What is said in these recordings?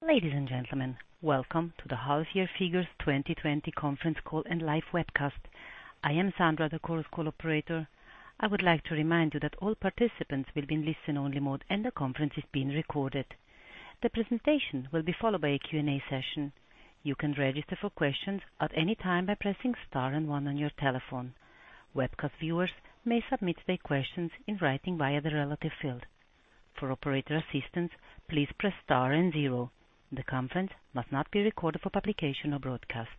Ladies and gentlemen, welcome to the Half Year Figures 2020 conference call and live webcast. I am Sandra, the conference call operator. I would like to remind you that all participants will be in listen-only mode and the conference is being recorded. The presentation will be followed by a Q&A session. You can register for questions at any time by pressing star and one on your telephone. Webcast viewers may submit their questions in writing via the relevant field. For operator assistance, please press star and zero. The conference must not be recorded for publication or broadcast.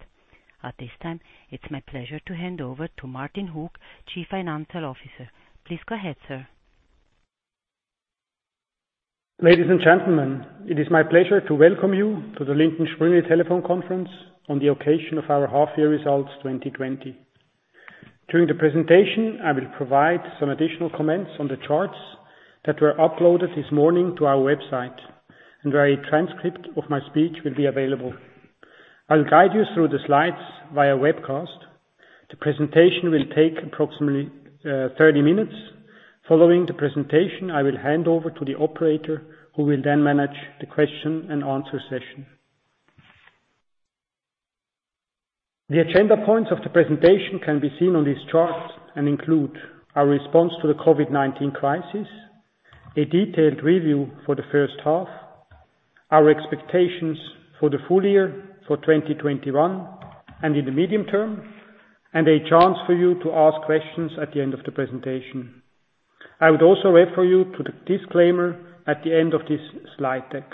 At this time, it's my pleasure to hand over to Martin Hug, Chief Financial Officer. Please go ahead, sir. Ladies and gentlemen, it is my pleasure to welcome you to the Lindt & Sprüngli telephone conference on the occasion of our half year results 2020. During the presentation, I will provide some additional comments on the charts that were uploaded this morning to our website, and where a transcript of my speech will be available. I'll guide you through the slides via webcast. The presentation will take approximately 30 minutes. Following the presentation, I will hand over to the operator, who will then manage the question and answer session. The agenda points of the presentation can be seen on this chart and include our response to the COVID-19 crisis, a detailed review for the first half, our expectations for the full year for 2021, and in the medium term, and a chance for you to ask questions at the end of the presentation. I would also refer you to the disclaimer at the end of this slide deck.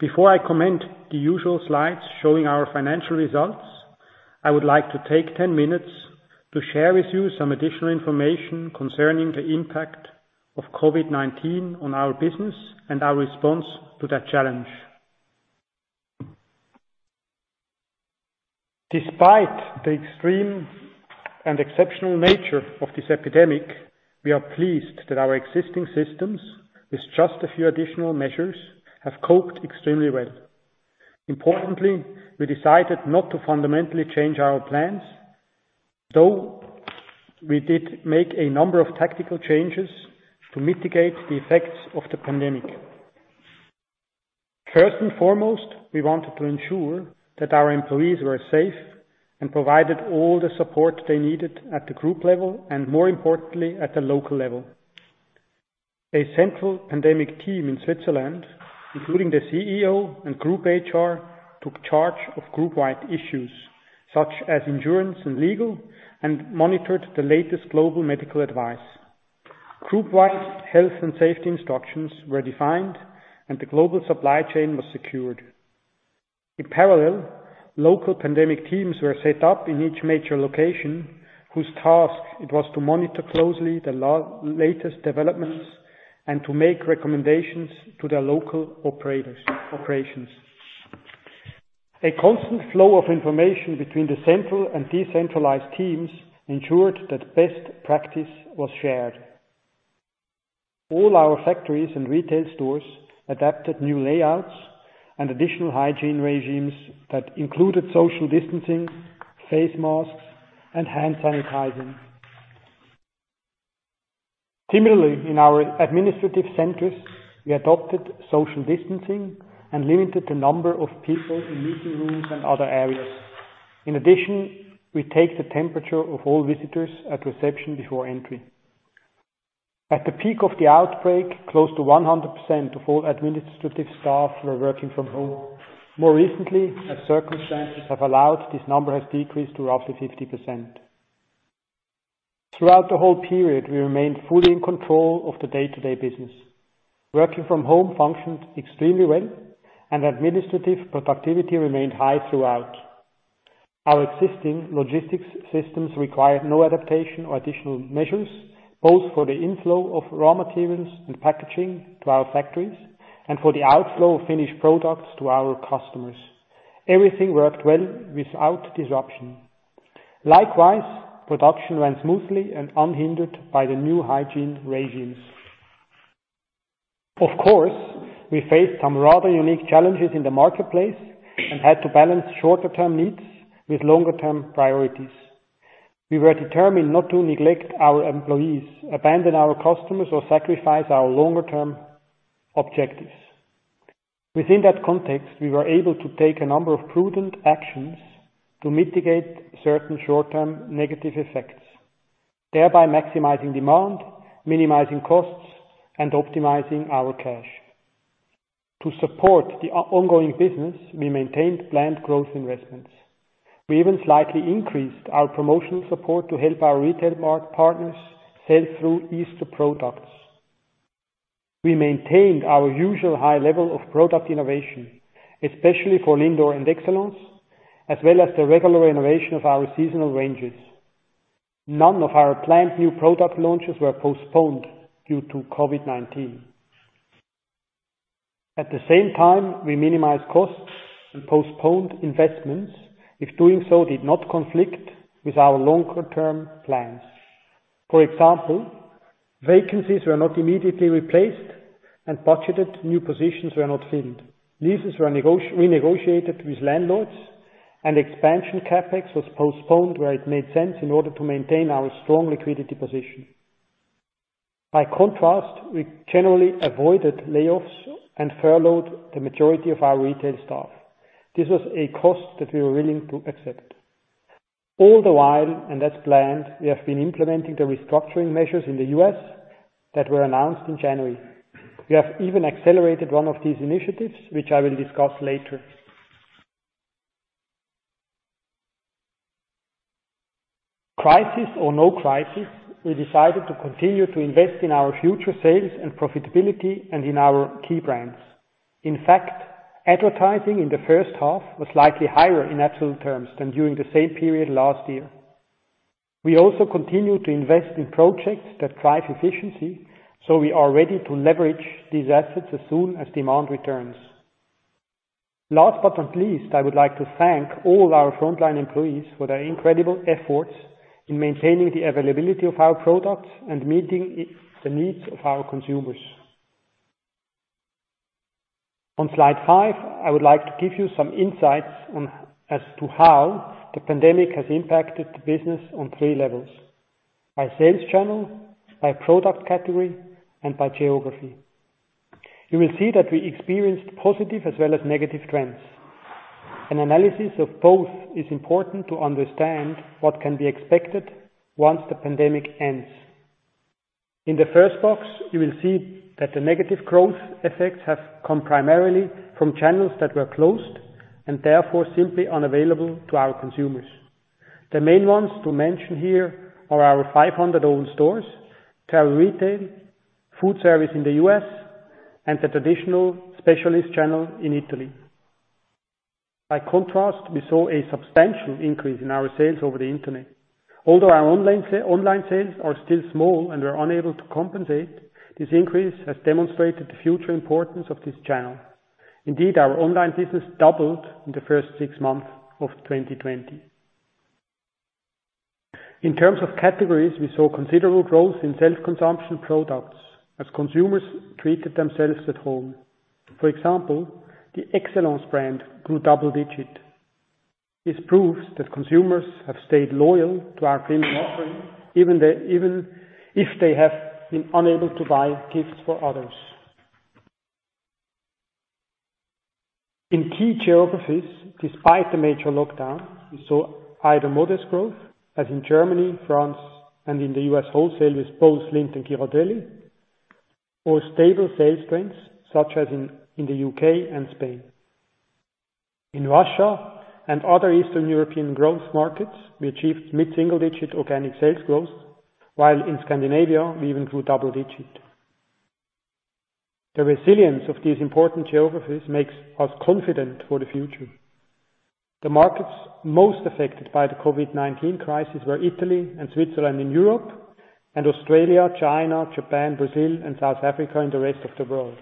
Before I comment the usual slides showing our financial results, I would like to take 10 minutes to share with you some additional information concerning the impact of COVID-19 on our business and our response to that challenge. Despite the extreme and exceptional nature of this epidemic, we are pleased that our existing systems, with just a few additional measures, have coped extremely well. Importantly, we decided not to fundamentally change our plans, though we did make a number of tactical changes to mitigate the effects of the pandemic. First and foremost, we wanted to ensure that our employees were safe and provided all the support they needed at the group level and, more importantly, at the local level. A central pandemic team in Switzerland, including the CEO and group HR, took charge of group-wide issues such as insurance and legal, and monitored the latest global medical advice. Group-wide health and safety instructions were defined, and the global supply chain was secured. In parallel, local pandemic teams were set up in each major location, whose task it was to monitor closely the latest developments and to make recommendations to their local operations. A constant flow of information between the central and decentralized teams ensured that best practice was shared. All our factories and retail stores adapted new layouts and additional hygiene regimes that included social distancing, face masks, and hand sanitizing. Similarly, in our administrative centers, we adopted social distancing and limited the number of people in meeting rooms and other areas. In addition, we take the temperature of all visitors at reception before entry. At the peak of the outbreak, close to 100% of all administrative staff were working from home. More recently, as circumstances have allowed, this number has decreased to roughly 50%. Throughout the whole period, we remained fully in control of the day-to-day business. Working from home functioned extremely well, and administrative productivity remained high throughout. Our existing logistics systems required no adaptation or additional measures, both for the inflow of raw materials and packaging to our factories, and for the outflow of finished products to our customers. Everything worked well without disruption. Likewise, production ran smoothly and unhindered by the new hygiene regimes. Of course, we faced some rather unique challenges in the marketplace and had to balance shorter-term needs with longer-term priorities. We were determined not to neglect our employees, abandon our customers, or sacrifice our longer-term objectives. Within that context, we were able to take a number of prudent actions to mitigate certain short-term negative effects, thereby maximizing demand, minimizing costs, and optimizing our cash. To support the ongoing business, we maintained planned growth investments. We even slightly increased our promotional support to help our retail partners sell through Easter products. We maintained our usual high level of product innovation, especially for Lindor and Excellence, as well as the regular renovation of our seasonal ranges. None of our planned new product launches were postponed due to COVID-19. We minimized costs and postponed investments if doing so did not conflict with our longer-term plans. For example, vacancies were not immediately replaced, and budgeted new positions were not filled. Leases were renegotiated with landlords. Expansion CapEx was postponed where it made sense in order to maintain our strong liquidity position. By contrast, we generally avoided layoffs and furloughed the majority of our retail staff. This was a cost that we were willing to accept. All the while, and as planned, we have been implementing the restructuring measures in the U.S. that were announced in January. We have even accelerated one of these initiatives, which I will discuss later. Crisis or no crisis, we decided to continue to invest in our future sales and profitability and in our key brands. In fact, advertising in the first half was likely higher in absolute terms than during the same period last year. We also continue to invest in projects that drive efficiency, so we are ready to leverage these assets as soon as demand returns. Last but not least, I would like to thank all our frontline employees for their incredible efforts in maintaining the availability of our products and meeting the needs of our consumers. On slide five, I would like to give you some insights as to how the pandemic has impacted the business on 3 levels, by sales channel, by product category, and by geography. You will see that we experienced positive as well as negative trends. An analysis of both is important to understand what can be expected once the pandemic ends. In the first box, you will see that the negative growth effects have come primarily from channels that were closed and therefore simply unavailable to our consumers. The main ones to mention here are our 500 own stores, care retail, food service in the U.S., and the traditional specialist channel in Italy. By contrast, we saw a substantial increase in our sales over the internet. Although our online sales are still small and we're unable to compensate, this increase has demonstrated the future importance of this channel. Indeed, our online business doubled in the first six months of 2020. In terms of categories, we saw considerable growth in self-consumption products as consumers treated themselves at home. For example, the Excellence brand grew double-digit. This proves that consumers have stayed loyal to our premium offering, even if they have been unable to buy gifts for others. In key geographies, despite the major lockdown, we saw either modest growth, as in Germany, France, and in the U.S. wholesale with both Lindt and Ghirardelli, or stable sales trends, such as in the U.K. and Spain. In Russia and other Eastern European growth markets, we achieved mid-single-digit organic sales growth, while in Scandinavia, we even grew double-digit. The resilience of these important geographies makes us confident for the future. The markets most affected by the COVID-19 crisis were Italy and Switzerland in Europe and Australia, China, Japan, Brazil, and South Africa in the rest of the world.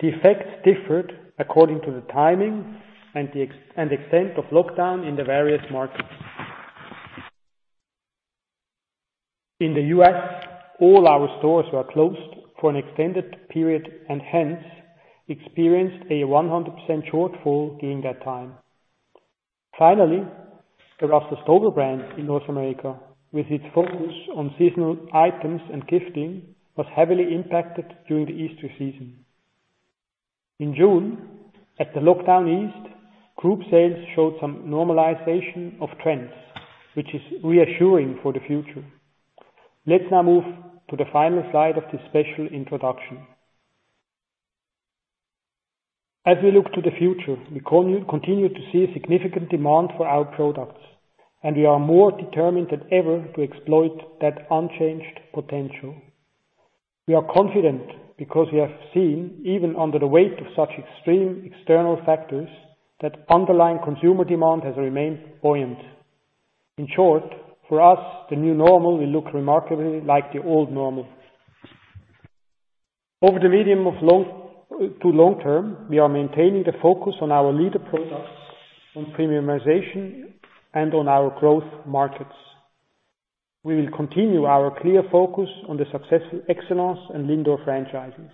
The effects differed according to the timing and extent of lockdown in the various markets. In the U.S., all our stores were closed for an extended period and hence experienced a 100% shortfall during that time. Finally, the Russell Stover brand in North America, with its focus on seasonal items and gifting, was heavily impacted during the Easter season. In June, as the lockdown eased, group sales showed some normalization of trends, which is reassuring for the future. Let's now move to the final slide of this special introduction. As we look to the future, we continue to see significant demand for our products, and we are more determined than ever to exploit that unchanged potential. We are confident because we have seen, even under the weight of such extreme external factors, that underlying consumer demand has remained buoyant. In short, for us, the new normal will look remarkably like the old normal. Over the medium to long term, we are maintaining the focus on our leader products, on premiumization, and on our growth markets. We will continue our clear focus on the successful Excellence and Lindor franchises.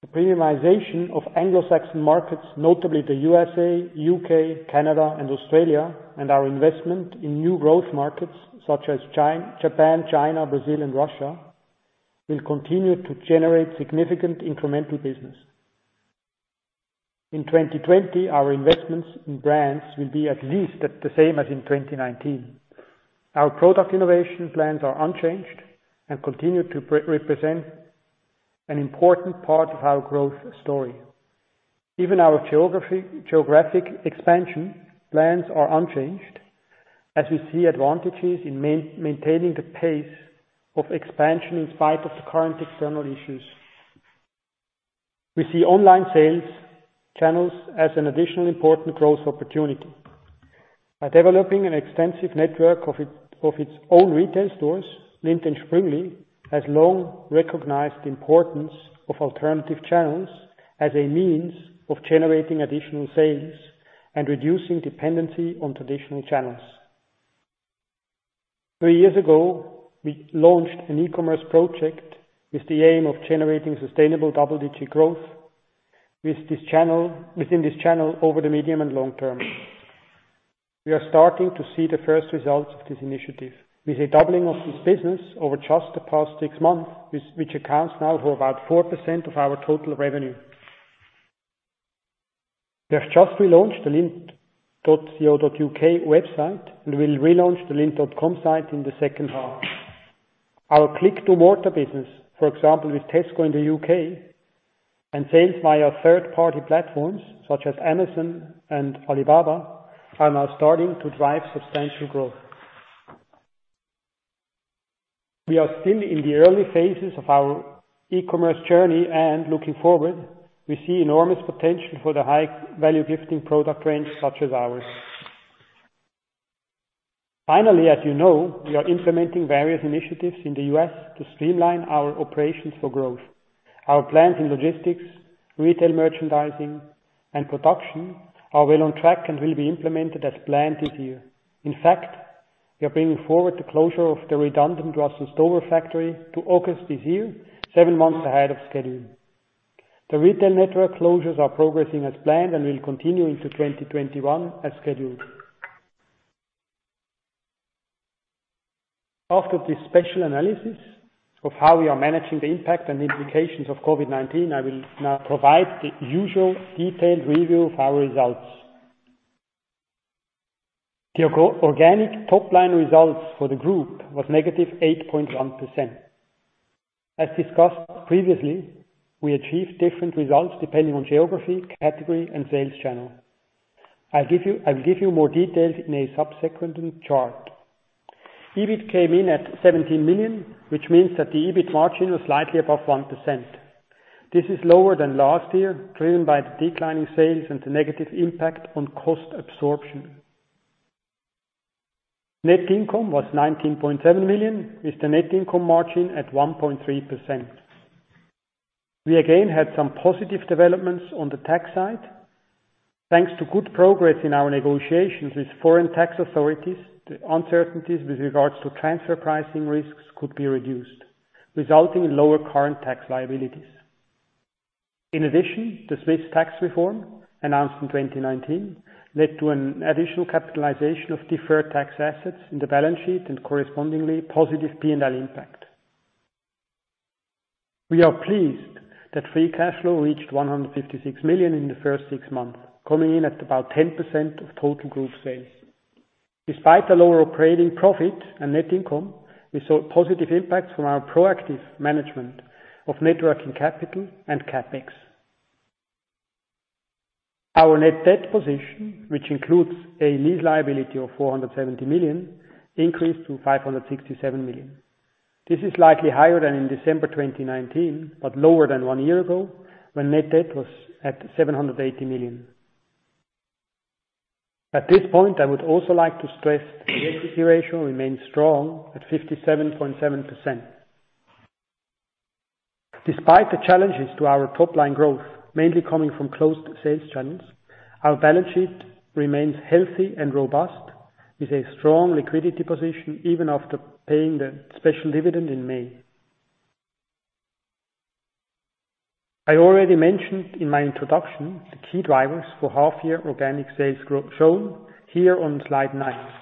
The premiumization of Anglo-Saxon markets, notably the U.S., U.K., Canada, and Australia, and our investment in new growth markets such as Japan, China, Brazil, and Russia, will continue to generate significant incremental business. In 2020, our investments in brands will be at least the same as in 2019. Our product innovation plans are unchanged and continue to represent an important part of our growth story. Even our geographic expansion plans are unchanged, as we see advantages in maintaining the pace of expansion in spite of the current external issues. We see online sales channels as an additional important growth opportunity. By developing an extensive network of its own retail stores, Lindt & Sprüngli has long recognized the importance of alternative channels as a means of generating additional sales and reducing dependency on traditional channels. Three years ago, we launched an e-commerce project with the aim of generating sustainable double-digit growth within this channel over the medium and long term. We are starting to see the first results of this initiative with a doubling of this business over just the past six months, which accounts now for about 4% of our total revenue. We have just relaunched the lindt.co.uk website and will relaunch the lindt.com site in the second half. Our click-and-mortar business, for example, with Tesco in the U.K., and sales via third-party platforms such as Amazon and Alibaba, are now starting to drive substantial growth. Looking forward, we see enormous potential for the high-value gifting product range such as ours. As you know, we are implementing various initiatives in the U.S. to streamline our operations for growth. Our plans in logistics, retail merchandising, and production are well on track and will be implemented as planned this year. We are bringing forward the closure of the redundant Russell Stover factory to August this year, seven months ahead of schedule. The retail network closures are progressing as planned and will continue into 2021 as scheduled. After this special analysis of how we are managing the impact and implications of COVID-19, I will now provide the usual detailed review of our results. The organic top-line results for the group was negative 8.1%. As discussed previously, we achieved different results depending on geography, category, and sales channel. I'll give you more details in a subsequent chart. EBIT came in at 17 million, which means that the EBIT margin was slightly above 1%. This is lower than last year, driven by the declining sales and the negative impact on cost absorption. Net income was 19.7 million, with the net income margin at 1.3%. We again had some positive developments on the tax side. Thanks to good progress in our negotiations with foreign tax authorities, the uncertainties with regards to transfer pricing risks could be reduced, resulting in lower current tax liabilities. In addition, the Swiss tax reform announced in 2019 led to an additional capitalization of deferred tax assets in the balance sheet and correspondingly positive P&L impact. We are pleased that free cash flow reached 156 million in the first six months, coming in at about 10% of total group sales. Despite the lower operating profit and net income, we saw positive impacts from our proactive management of net working capital and CapEx. Our net debt position, which includes a lease liability of 470 million, increased to 567 million. This is slightly higher than in December 2019, lower than one year ago when net debt was at 780 million. At this point, I would also like to stress the liquidity ratio remains strong at 57.7%. Despite the challenges to our top-line growth, mainly coming from closed sales channels, our balance sheet remains healthy and robust with a strong liquidity position even after paying the special dividend in May. I already mentioned in my introduction the key drivers for half-year organic sales growth shown here on slide nine.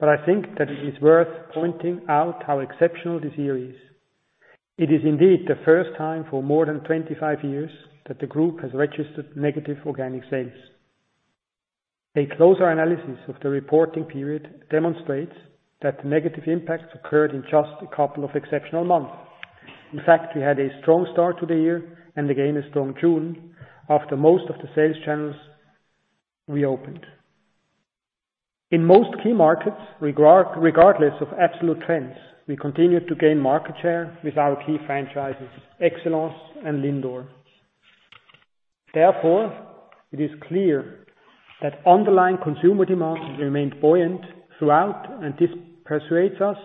I think that it is worth pointing out how exceptional this year is. It is indeed the first time for more than 25 years that the group has registered negative organic sales. A closer analysis of the reporting period demonstrates that the negative impacts occurred in just a couple of exceptional months. In fact, we had a strong start to the year and again a strong June after most of the sales channels reopened. In most key markets, regardless of absolute trends, we continued to gain market share with our key franchises, Excellence and Lindor. It is clear that underlying consumer demand has remained buoyant throughout, and this persuades us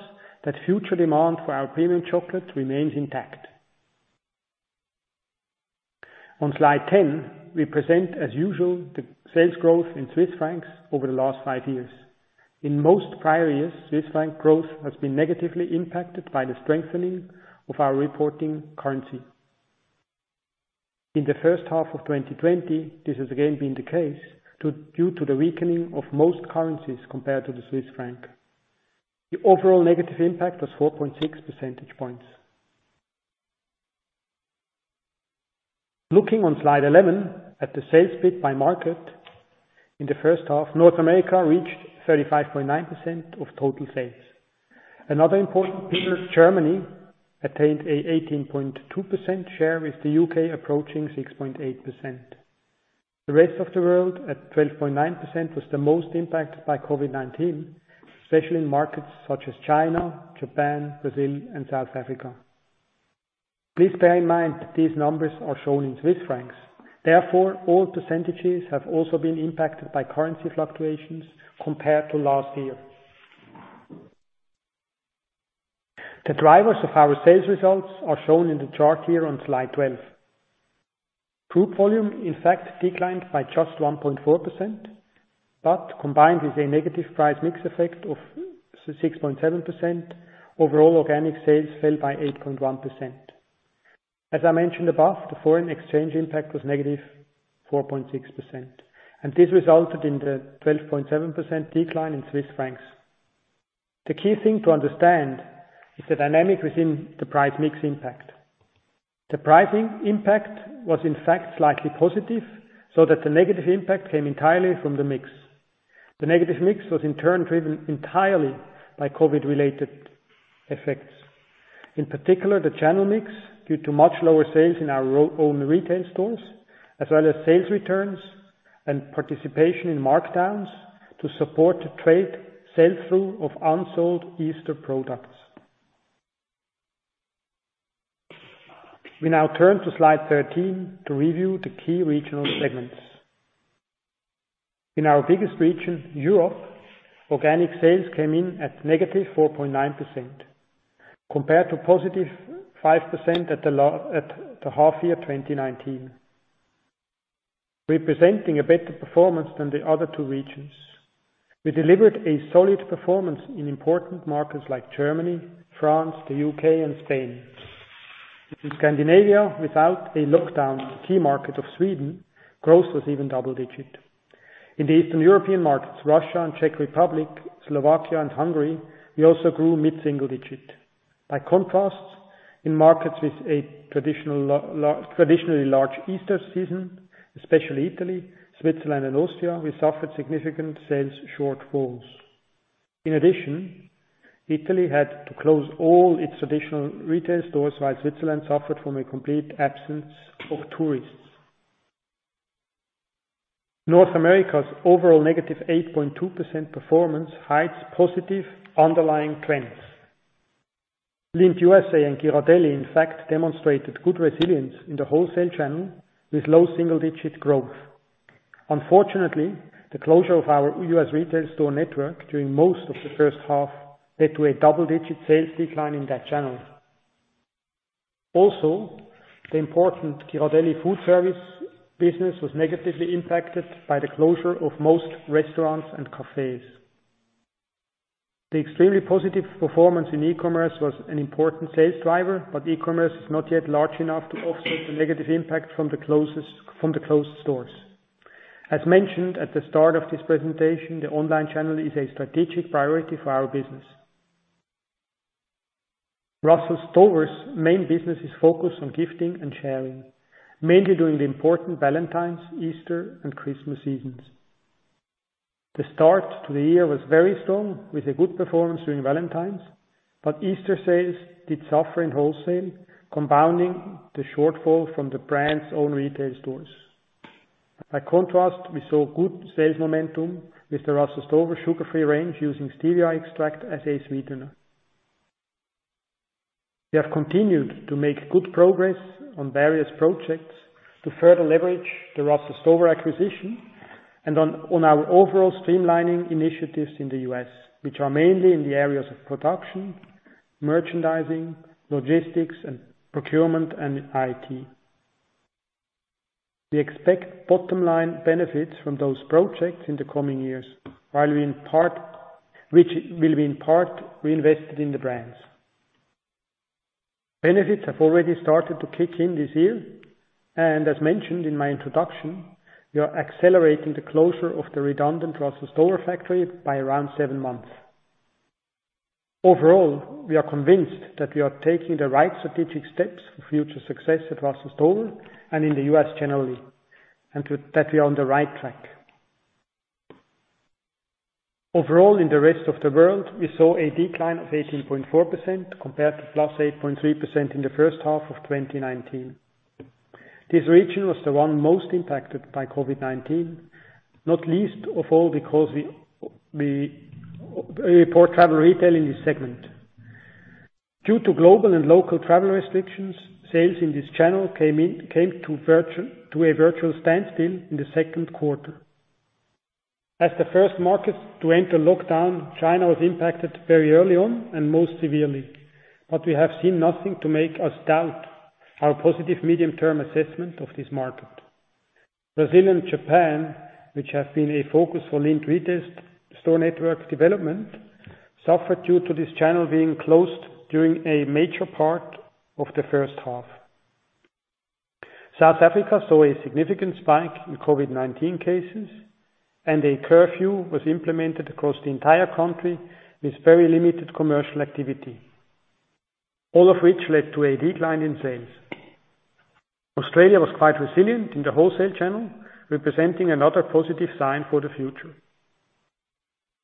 that future demand for our premium chocolate remains intact. On slide 10, we present as usual the sales growth in CHF over the last five years. In most prior years, CHF growth has been negatively impacted by the strengthening of our reporting currency. In the first half of 2020, this has again been the case due to the weakening of most currencies compared to the CHF. The overall negative impact was 4.6 percentage points. Looking on slide 11 at the sales split by market in the first half, North America reached 35.9% of total sales. Another important pillar, Germany, attained an 18.2% share with the U.K. approaching 6.8%. The rest of the world at 12.9% was the most impacted by COVID-19, especially in markets such as China, Japan, Brazil, and South Africa. Please bear in mind that these numbers are shown in Swiss francs. Therefore, all percentages have also been impacted by currency fluctuations compared to last year. The drivers of our sales results are shown in the chart here on slide 12. Group volume, in fact, declined by just 1.4%, but combined with a negative price mix effect of 6.7%, overall organic sales fell by 8.1%. As I mentioned above, the foreign exchange impact was negative 4.6%, and this resulted in the 12.7% decline in Swiss francs. The key thing to understand is the dynamic within the price mix impact. The pricing impact was, in fact, slightly positive, so that the negative impact came entirely from the mix. The negative mix was, in turn, driven entirely by COVID-related effects. In particular, the channel mix, due to much lower sales in our own retail stores, as well as sales returns and participation in markdowns to support the trade sell-through of unsold Easter products. We now turn to slide 13 to review the key regional segments. In our biggest region, Europe, organic sales came in at negative 4.9%, compared to positive 5% at the half-year 2019, representing a better performance than the other two regions. We delivered a solid performance in important markets like Germany, France, the U.K., and Spain. In Scandinavia, without a lockdown, the key market of Sweden, growth was even double-digit. In the Eastern European markets, Russia and Czech Republic, Slovakia and Hungary, we also grew mid-single-digit. By contrast, in markets with a traditionally large Easter season, especially Italy, Switzerland, and Austria, we suffered significant sales shortfalls. In addition, Italy had to close all its traditional retail stores while Switzerland suffered from a complete absence of tourists. North America's overall negative 8.2% performance hides positive underlying trends. Lindt U.S.A. and Ghirardelli, in fact, demonstrated good resilience in the wholesale channel with low single-digit growth. Unfortunately, the closure of our U.S. retail store network during most of the first half led to a double-digit sales decline in that channel. The important Ghirardelli food service business was negatively impacted by the closure of most restaurants and cafes. The extremely positive performance in e-commerce was an important sales driver, but e-commerce is not yet large enough to offset the negative impact from the closed stores. As mentioned at the start of this presentation, the online channel is a strategic priority for our business. Russell Stover's main business is focused on gifting and sharing, mainly during the important Valentine's, Easter, and Christmas seasons. The start to the year was very strong, with a good performance during Valentine's, but Easter sales did suffer in wholesale, compounding the shortfall from the brand's own retail stores. By contrast, we saw good sales momentum with the Russell Stover sugar-free range using stevia extract as a sweetener. We have continued to make good progress on various projects to further leverage the Russell Stover acquisition and on our overall streamlining initiatives in the U.S., which are mainly in the areas of production, merchandising, logistics, and procurement, and IT. We expect bottom-line benefits from those projects in the coming years, which will be in part reinvested in the brands. Benefits have already started to kick in this year, as mentioned in my introduction, we are accelerating the closure of the redundant Russell Stover factory by around seven months. Overall, we are convinced that we are taking the right strategic steps for future success at Russell Stover and in the U.S. generally, that we are on the right track. Overall, in the rest of the world, we saw a decline of 18.4% compared to plus 8.3% in the first half of 2019. This region was the one most impacted by COVID-19, not least of all because we report travel retail in this segment. Due to global and local travel restrictions, sales in this channel came to a virtual standstill in the second quarter. As the first market to enter lockdown, China was impacted very early on and most severely. We have seen nothing to make us doubt our positive medium-term assessment of this market. Brazil and Japan, which have been a focus for Lindt retail store network development, suffered due to this channel being closed during a major part of the first half. South Africa saw a significant spike in COVID-19 cases, and a curfew was implemented across the entire country with very limited commercial activity, all of which led to a decline in sales. Australia was quite resilient in the wholesale channel, representing another positive sign for the future.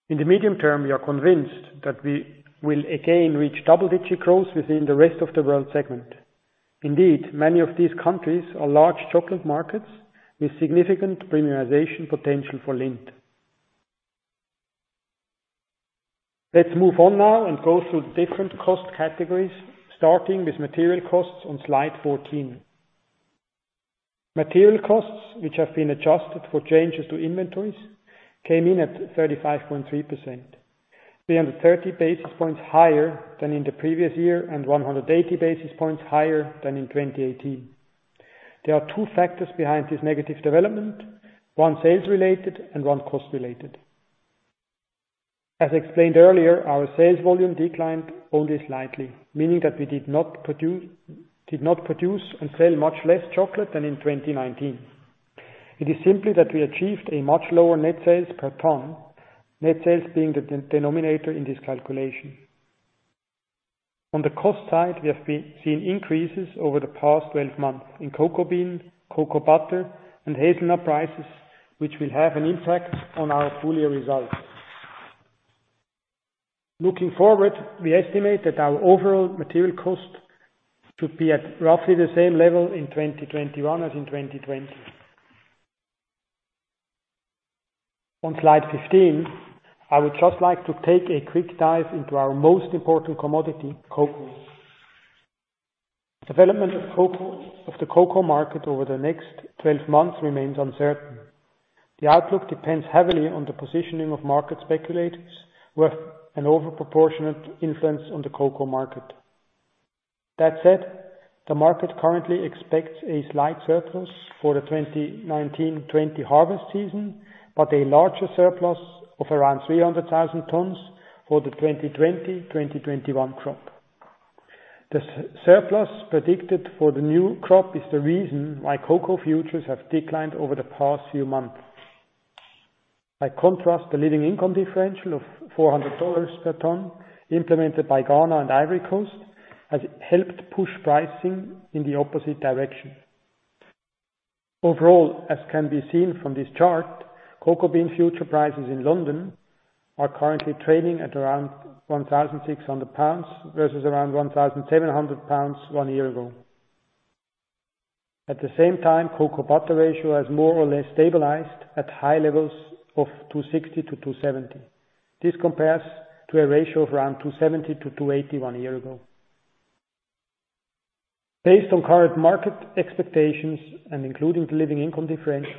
In the medium term, we are convinced that we will again reach double-digit growth within the rest of the world segment. Indeed, many of these countries are large chocolate markets with significant premiumization potential for Lindt. Let's move on now and go through the different cost categories, starting with material costs on slide 14. Material costs, which have been adjusted for changes to inventories, came in at 35.3%, 330 basis points higher than in the previous year and 180 basis points higher than in 2018. There are two factors behind this negative development, one sales related and one cost related. As explained earlier, our sales volume declined only slightly, meaning that we did not produce and sell much less chocolate than in 2019. It is simply that we achieved a much lower net sales per ton, net sales being the denominator in this calculation. On the cost side, we have seen increases over the past 12 months in cocoa bean, cocoa butter, and hazelnut prices, which will have an impact on our full year results. Looking forward, we estimate that our overall material cost should be at roughly the same level in 2021 as in 2020. On slide 15, I would just like to take a quick dive into our most important commodity, cocoa. Development of the cocoa market over the next 12 months remains uncertain. The outlook depends heavily on the positioning of market speculators with an over proportionate influence on the cocoa market. That said, the market currently expects a slight surplus for the 2019-20 harvest season, but a larger surplus of around 300,000 tons for the 2020-2021 crop. The surplus predicted for the new crop is the reason why cocoa futures have declined over the past few months. By contrast, the Living Income Differential of $400 per ton implemented by Ghana and Côte d'Ivoire has helped push pricing in the opposite direction. Overall, as can be seen from this chart, cocoa bean future prices in London are currently trading at around 1,600 pounds versus around 1,700 pounds one year ago. At the same time, cocoa butter ratio has more or less stabilized at high levels of 260 to 270. This compares to a ratio of around 270 to 280 one year ago. Based on current market expectations and including the Living Income Differential,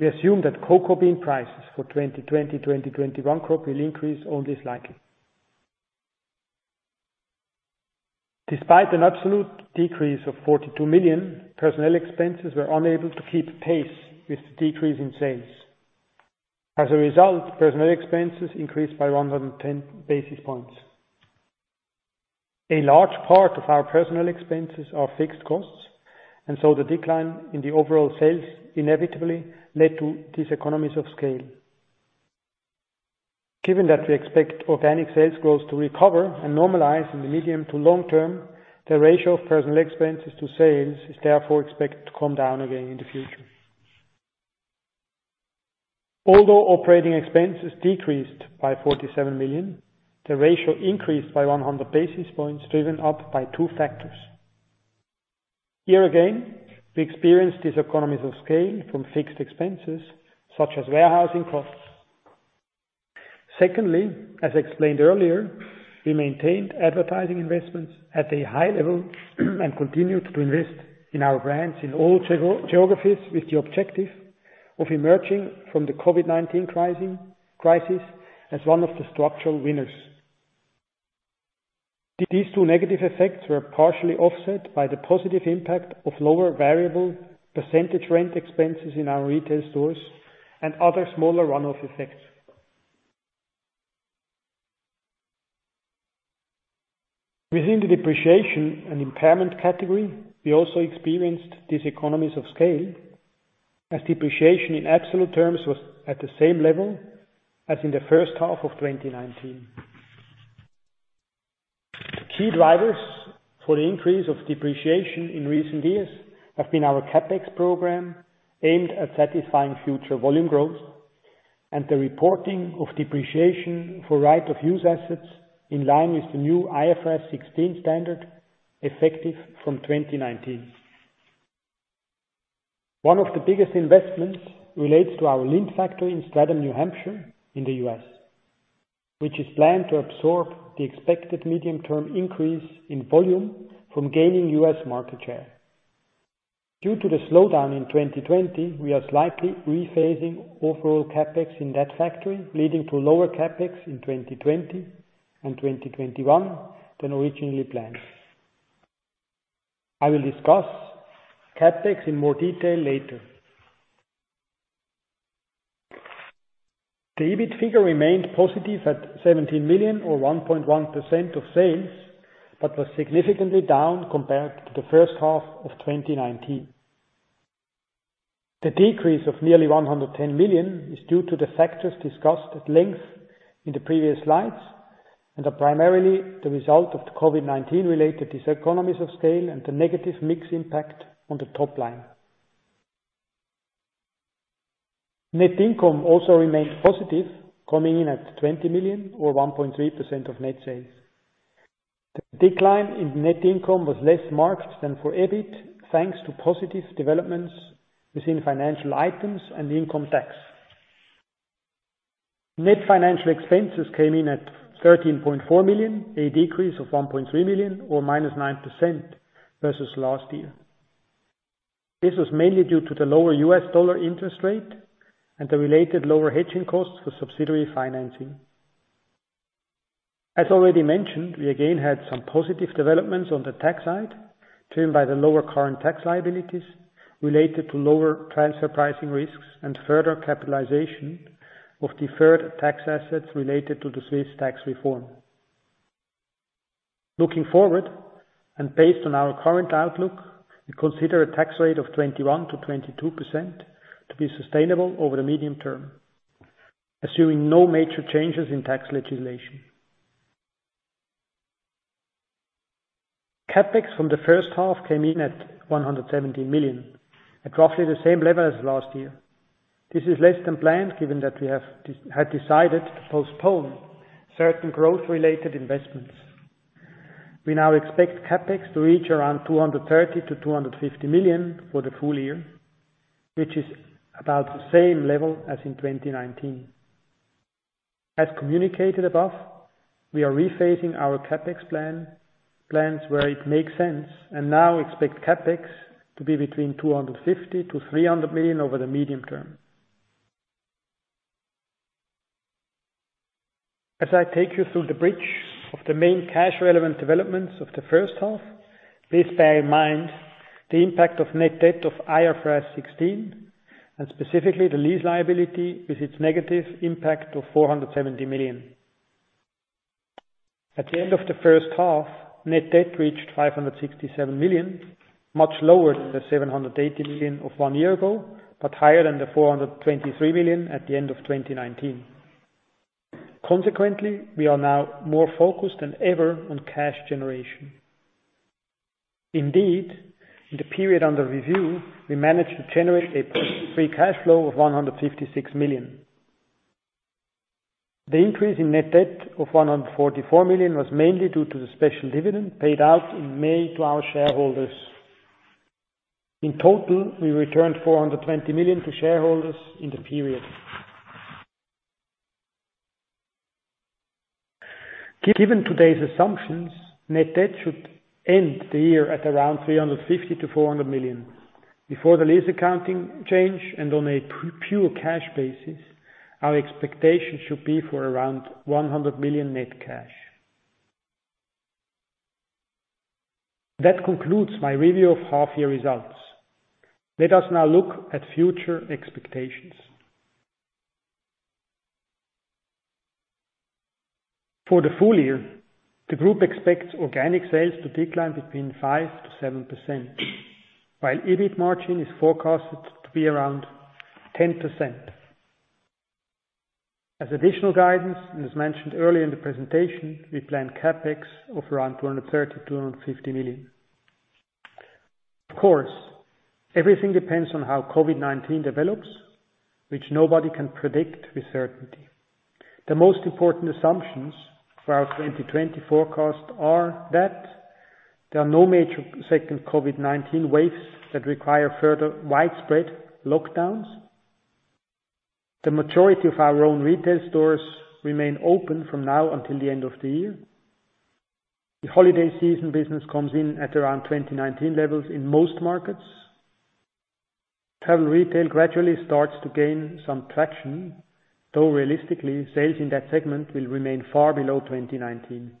we assume that cocoa bean prices for 2020-2021 crop will increase only slightly. Despite an absolute decrease of 42 million, personnel expenses were unable to keep pace with the decrease in sales. As a result, personnel expenses increased by 110 basis points. A large part of our personnel expenses are fixed costs, the decline in the overall sales inevitably led to these economies of scale. Given that we expect organic sales growth to recover and normalize in the medium to long term, the ratio of personnel expenses to sales is therefore expected to come down again in the future. Although operating expenses decreased by 47 million, the ratio increased by 100 basis points, driven up by two factors. Here again, we experienced these economies of scale from fixed expenses such as warehousing costs. As explained earlier, we maintained advertising investments at a high level and continued to invest in our brands in all geographies with the objective of emerging from the COVID-19 crisis as one of the structural winners. These two negative effects were partially offset by the positive impact of lower variable percentage rent expenses in our retail stores and other smaller runoff effects. Within the depreciation and impairment category, we also experienced these economies of scale as depreciation in absolute terms was at the same level as in the first half of 2019. The key drivers for the increase of depreciation in recent years have been our CapEx program aimed at satisfying future volume growth and the reporting of depreciation for right-of-use assets in line with the new IFRS 16 standard effective from 2019. One of the biggest investments relates to our Lindt factory in Stratham, New Hampshire, in the U.S., which is planned to absorb the expected medium-term increase in volume from gaining U.S. market share. Due to the slowdown in 2020, we are slightly rephasing overall CapEx in that factory, leading to lower CapEx in 2020 and 2021 than originally planned. I will discuss CapEx in more detail later. The EBIT figure remained positive at 17 million or 1.1% of sales, but was significantly down compared to the first half of 2019. The decrease of nearly 110 million is due to the factors discussed at length in the previous slides and are primarily the result of the COVID-19 related diseconomies of scale and the negative mix impact on the top line. Net income also remained positive, coming in at 20 million or 1.3% of net sales. The decline in net income was less marked than for EBIT, thanks to positive developments within financial items and income tax. Net financial expenses came in at 13.4 million, a decrease of 1.3 million or -9% versus last year. This was mainly due to the lower US dollar interest rate and the related lower hedging costs for subsidiary financing. As already mentioned, we again had some positive developments on the tax side, driven by the lower current tax liabilities related to lower transfer pricing risks and further capitalization of deferred tax assets related to the Swiss Tax Reform. Looking forward, and based on our current outlook, we consider a tax rate of 21%-22% to be sustainable over the medium term, assuming no major changes in tax legislation. CapEx from the first half came in at 117 million, at roughly the same level as last year. This is less than planned given that we had decided to postpone certain growth-related investments. We now expect CapEx to reach around 230 million-250 million for the full year, which is about the same level as in 2019. As communicated above, we are rephasing our CapEx plans where it makes sense and now expect CapEx to be between 250 million-300 million over the medium term. As I take you through the bridge of the main cash-relevant developments of the first half, please bear in mind the impact of net debt of IFRS 16, and specifically the lease liability with its negative impact of 470 million. At the end of the first half, net debt reached 567 million, much lower than the 780 million of one year ago, but higher than the 423 million at the end of 2019. Consequently, we are now more focused than ever on cash generation. Indeed, in the period under review, we managed to generate a free cash flow of 156 million. The increase in net debt of 144 million was mainly due to the special dividend paid out in May to our shareholders. In total, we returned 420 million to shareholders in the period. Given today's assumptions, net debt should end the year at around 350 million-400 million. Before the lease accounting change and on a pure cash basis, our expectation should be for around 100 million net cash. That concludes my review of half-year results. Let us now look at future expectations. For the full year, the group expects organic sales to decline between 5%-7%, while EBIT margin is forecasted to be around 10%. As additional guidance, and as mentioned earlier in the presentation, we plan CapEx of around 230 million-250 million. Of course, everything depends on how COVID-19 develops, which nobody can predict with certainty. The most important assumptions for our 2020 forecast are that there are no major second COVID-19 waves that require further widespread lockdowns. The majority of our own retail stores remain open from now until the end of the year. The holiday season business comes in at around 2019 levels in most markets. Travel retail gradually starts to gain some traction, though realistically, sales in that segment will remain far below 2019.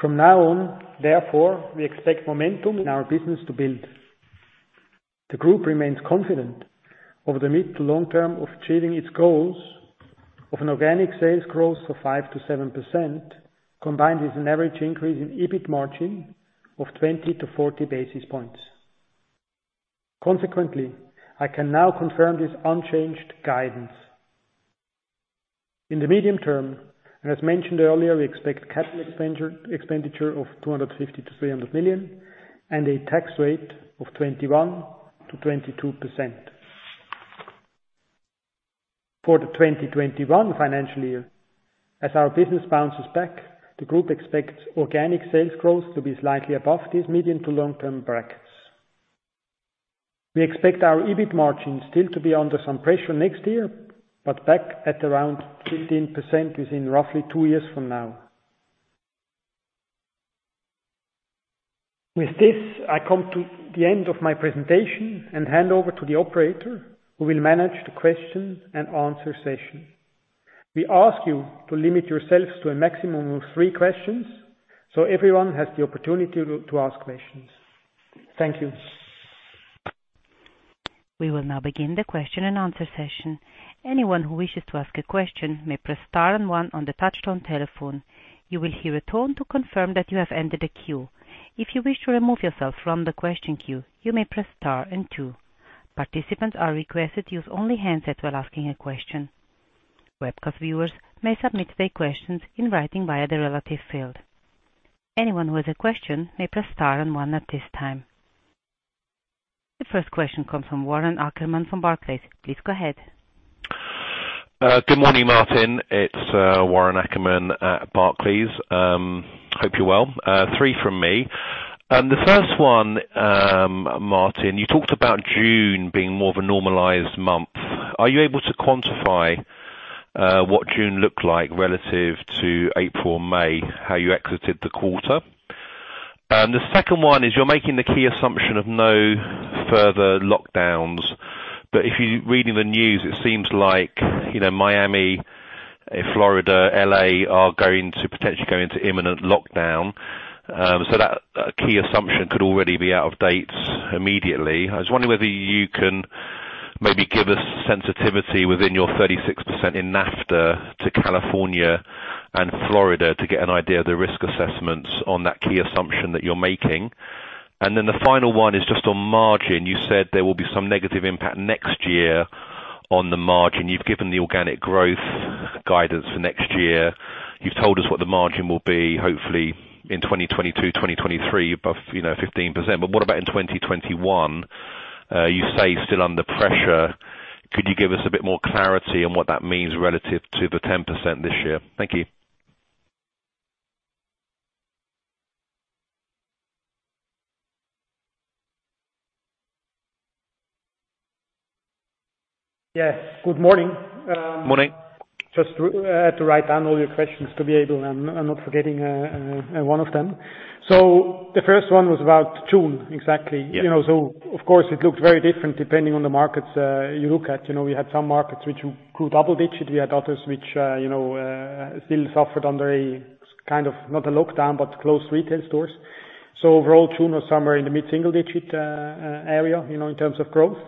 From now on, therefore, we expect momentum in our business to build. The group remains confident over the mid to long term of achieving its goals of an organic sales growth of 5%-7%, combined with an average increase in EBIT margin of 20-40 basis points. I can now confirm this unchanged guidance. In the medium term, and as mentioned earlier, we expect CapEx of 250 million-300 million and a tax rate of 21%-22%. For the 2021 financial year, as our business bounces back, the group expects organic sales growth to be slightly above these medium to long term brackets. We expect our EBIT margin still to be under some pressure next year, but back at around 15% within roughly two years from now. With this, I come to the end of my presentation and hand over to the operator, who will manage the question and answer session. We ask you to limit yourselves to a maximum of three questions so everyone has the opportunity to ask questions. Thank you. We will now begin the question and answer session. Anyone who wishes to ask a question may press star and one on the touch-tone telephone. You will hear a tone to confirm that you have entered the queue. If you wish to remove yourself from the question queue, you may press star and two. Participants are requested to use only handsets while asking a question. Webcast viewers may submit their questions in writing via the relevant field. Anyone who has a question may press star and one at this time. The first question comes from Warren Ackerman from Barclays. Please go ahead. Good morning, Martin. It's Warren Ackerman at Barclays. Hope you're well. 3 from me. The first one, Martin, you talked about June being more of a normalized month. Are you able to quantify what June looked like relative to April and May, how you exited the quarter? The second one is, you're making the key assumption of no further lockdowns. If you're reading the news, it seems like Miami, Florida, L.A. are going to potentially go into imminent lockdown. That key assumption could already be out of date immediately. I was wondering whether you can maybe give us sensitivity within your 36% in NAFTA to California and Florida to get an idea of the risk assessments on that key assumption that you're making. The final one is just on margin. You said there will be some negative impact next year on the margin. You've given the organic growth guidance for next year. You've told us what the margin will be, hopefully in 2022, 2023, above 15%. What about in 2021? You say still under pressure. Could you give us a bit more clarity on what that means relative to the 10% this year? Thank you. Yeah. Good morning. Morning. Just had to write down all your questions to be able and not forgetting any one of them. The first one was about June. Exactly. Yeah. Of course, it looks very different depending on the markets you look at. We had some markets which grew double-digit. We had others which still suffered under a kind of, not a lockdown, but closed retail stores. Overall, June was somewhere in the mid-single-digit area in terms of growth.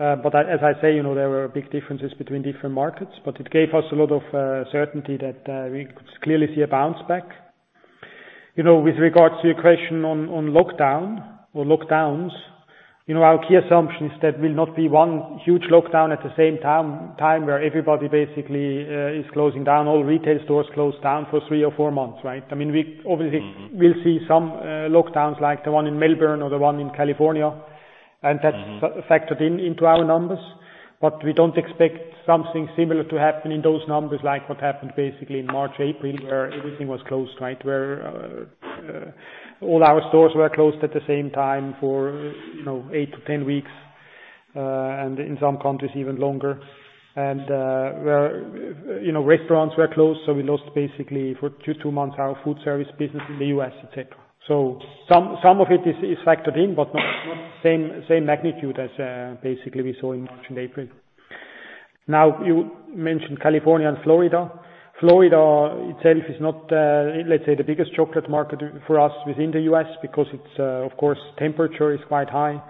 As I say, there were big differences between different markets. It gave us a lot of certainty that we could clearly see a bounce back. With regards to your question on lockdown or lockdowns, our key assumption is there will not be one huge lockdown at the same time where everybody basically is closing down, all retail stores close down for three or four months, right? we'll see some lockdowns, like the one in Melbourne or the one in California. factored into our numbers. We don't expect something similar to happen in those numbers like what happened basically in March, April, where everything was closed, right? Where all our stores were closed at the same time for eight to 10 weeks, and in some countries even longer. Where restaurants were closed, so we lost basically for two months our food service business in the U.S., et cetera. Some of it is factored in, but not the same magnitude as basically we saw in March and April. You mentioned California and Florida. Florida itself is not, let's say, the biggest chocolate market for us within the U.S. because its, of course, temperature is quite high.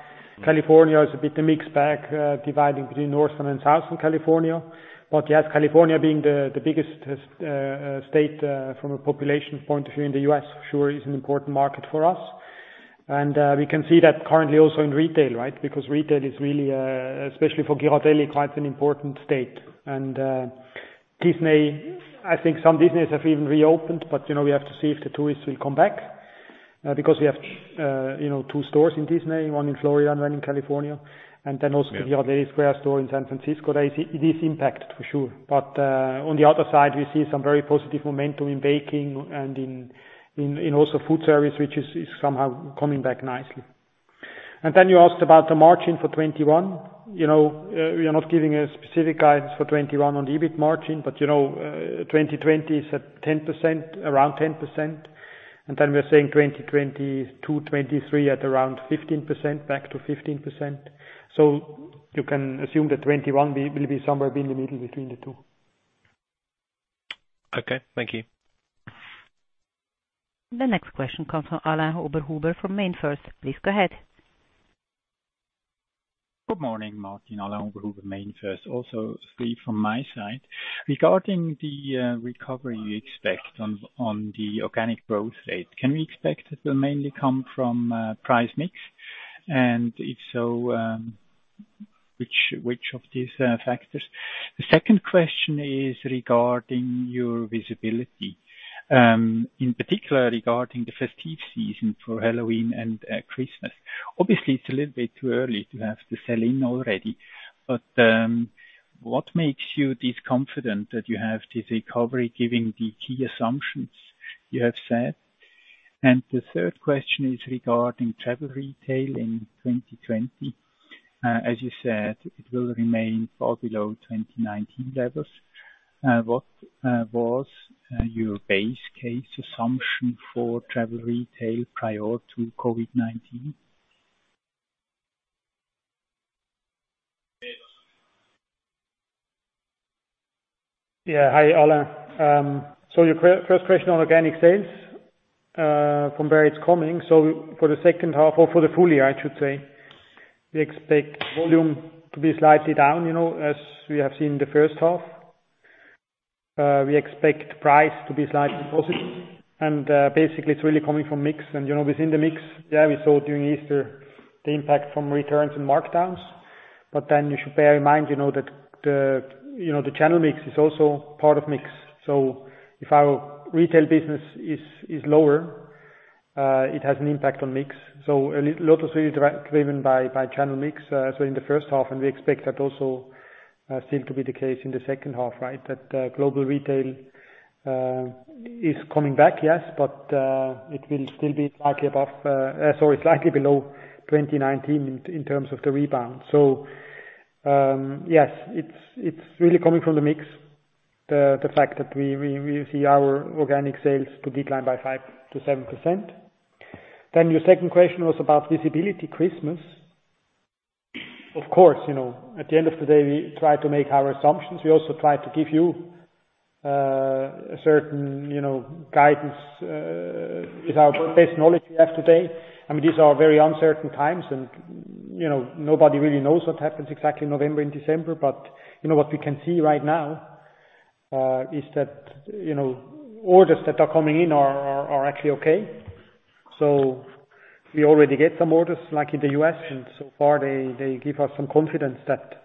California is a bit of a mixed bag, dividing between Northern and Southern California. Yes, California being the biggest state, from a population point of view in the U.S., sure is an important market for us. We can see that currently also in retail, right? Because retail is really, especially for Ghirardelli, quite an important state. Disney, I think some businesses have even reopened, but we have to see if the tourists will come back, because we have two stores in Disney, one in Florida and one in California. Yeah the Ghirardelli Square store in San Francisco. It is impacted for sure. On the other side, we see some very positive momentum in baking and in also food service, which is somehow coming back nicely. You asked about the margin for 2021. We are not giving a specific guidance for 2021 on the EBIT margin. 2020 is at 10%, around 10%. We are saying 2022, 2023 at around 15%, back to 15%. You can assume that 2021 will be somewhere in the middle between the two. Okay. Thank you. The next question comes from Alain Oberhuber from MainFirst. Please go ahead. Good morning, Martin. Alain Oberhuber, MainFirst. Three from my side. Regarding the recovery you expect on the organic growth rate, can we expect it will mainly come from price mix? If so, which of these factors? The second question is regarding your visibility, in particular regarding the festive season for Halloween and Christmas. Obviously, it's a little bit too early to have to sell in already. What makes you this confident that you have this recovery, given the key assumptions you have set? The third question is regarding travel retail in 2020. As you said, it will remain far below 2019 levels. What was your base case assumption for travel retail prior to COVID-19? Hi, Alain. Your first question on organic sales, from where it's coming. For the second half, or for the full year, I should say, we expect volume to be slightly down, as we have seen in the first half. We expect price to be slightly positive, and basically it's really coming from mix. Within the mix, yeah, we saw during Easter the impact from returns and markdowns. You should bear in mind that the channel mix is also part of mix. If our retail business is lower, it has an impact on mix. A lot is really driven by channel mix, so in the first half, and we expect that also still to be the case in the second half, right? Global retail is coming back, yes. It will still be slightly below 2019 in terms of the rebound. Yes, it's really coming from the mix, the fact that we see our organic sales to decline by 5%-7%. Your second question was about visibility Christmas. Of course, at the end of the day, we try to make our assumptions. We also try to give you a certain guidance, with our best knowledge we have today. I mean, these are very uncertain times and, nobody really knows what happens exactly November and December. What we can see right now is that, orders that are coming in are actually okay. We already get some orders like in the U.S., and so far they give us some confidence that,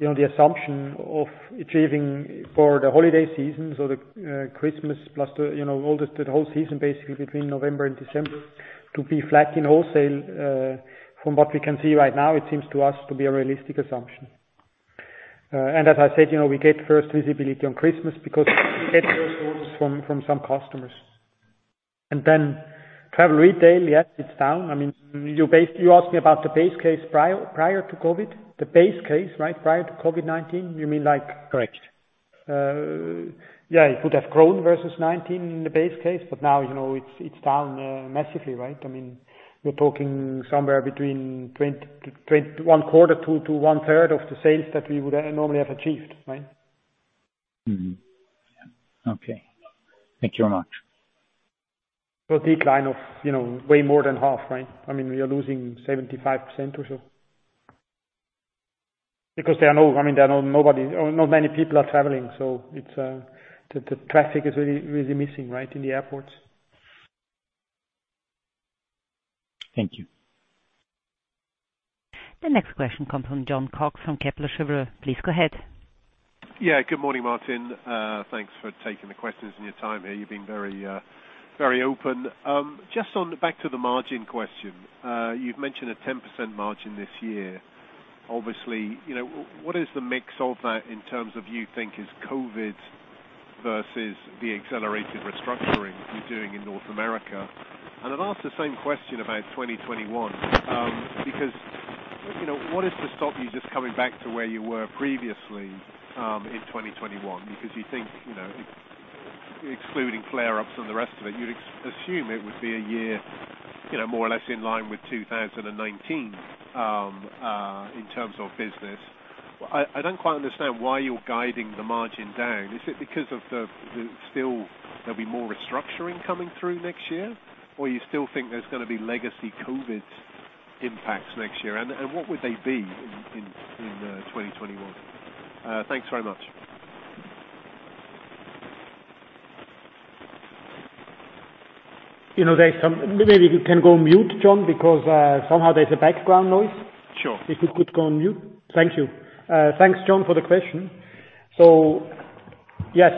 the assumption of achieving for the holiday season, so the Christmas plus the whole season basically between November and December, to be flat in wholesale. From what we can see right now, it seems to us to be a realistic assumption. As I said, we get first visibility on Christmas because we get first orders from some customers. Travel retail, yes, it's down. You asked me about the base case prior to COVID-19? The base case, right, prior to COVID-19, you mean? Correct. It would have grown versus 2019 in the base case. Now, it's down massively, right? We're talking somewhere between one quarter to one third of the sales that we would normally have achieved, right? Mm-hmm. Yeah. Okay. Thank you very much. A decline of way more than half, right? We are losing 75% or so. There are no many people are traveling, the traffic is really missing, right, in the airports. Thank you. The next question comes from Jon Cox from Kepler Cheuvreux. Please go ahead. Yeah, good morning, Martin. Thanks for taking the questions and your time here. You're being very open. Just on back to the margin question. You've mentioned a 10% margin this year. Obviously, what is the mix of that in terms of you think is COVID-19 versus the accelerated restructuring you're doing in North America? I'd ask the same question about 2021. What is to stop you just coming back to where you were previously, in 2021? You think, excluding flare-ups and the rest of it, you'd assume it would be a year, more or less in line with 2019, in terms of business. I don't quite understand why you're guiding the margin down. Is it because of the still there'll be more restructuring coming through next year? You still think there's gonna be legacy COVID-19 impacts next year? What would they be in 2021? Thanks very much. Maybe you can go mute, Jon, because, somehow there's a background noise. Sure. If you could go on mute. Thank you. Thanks, Jon, for the question. Yes,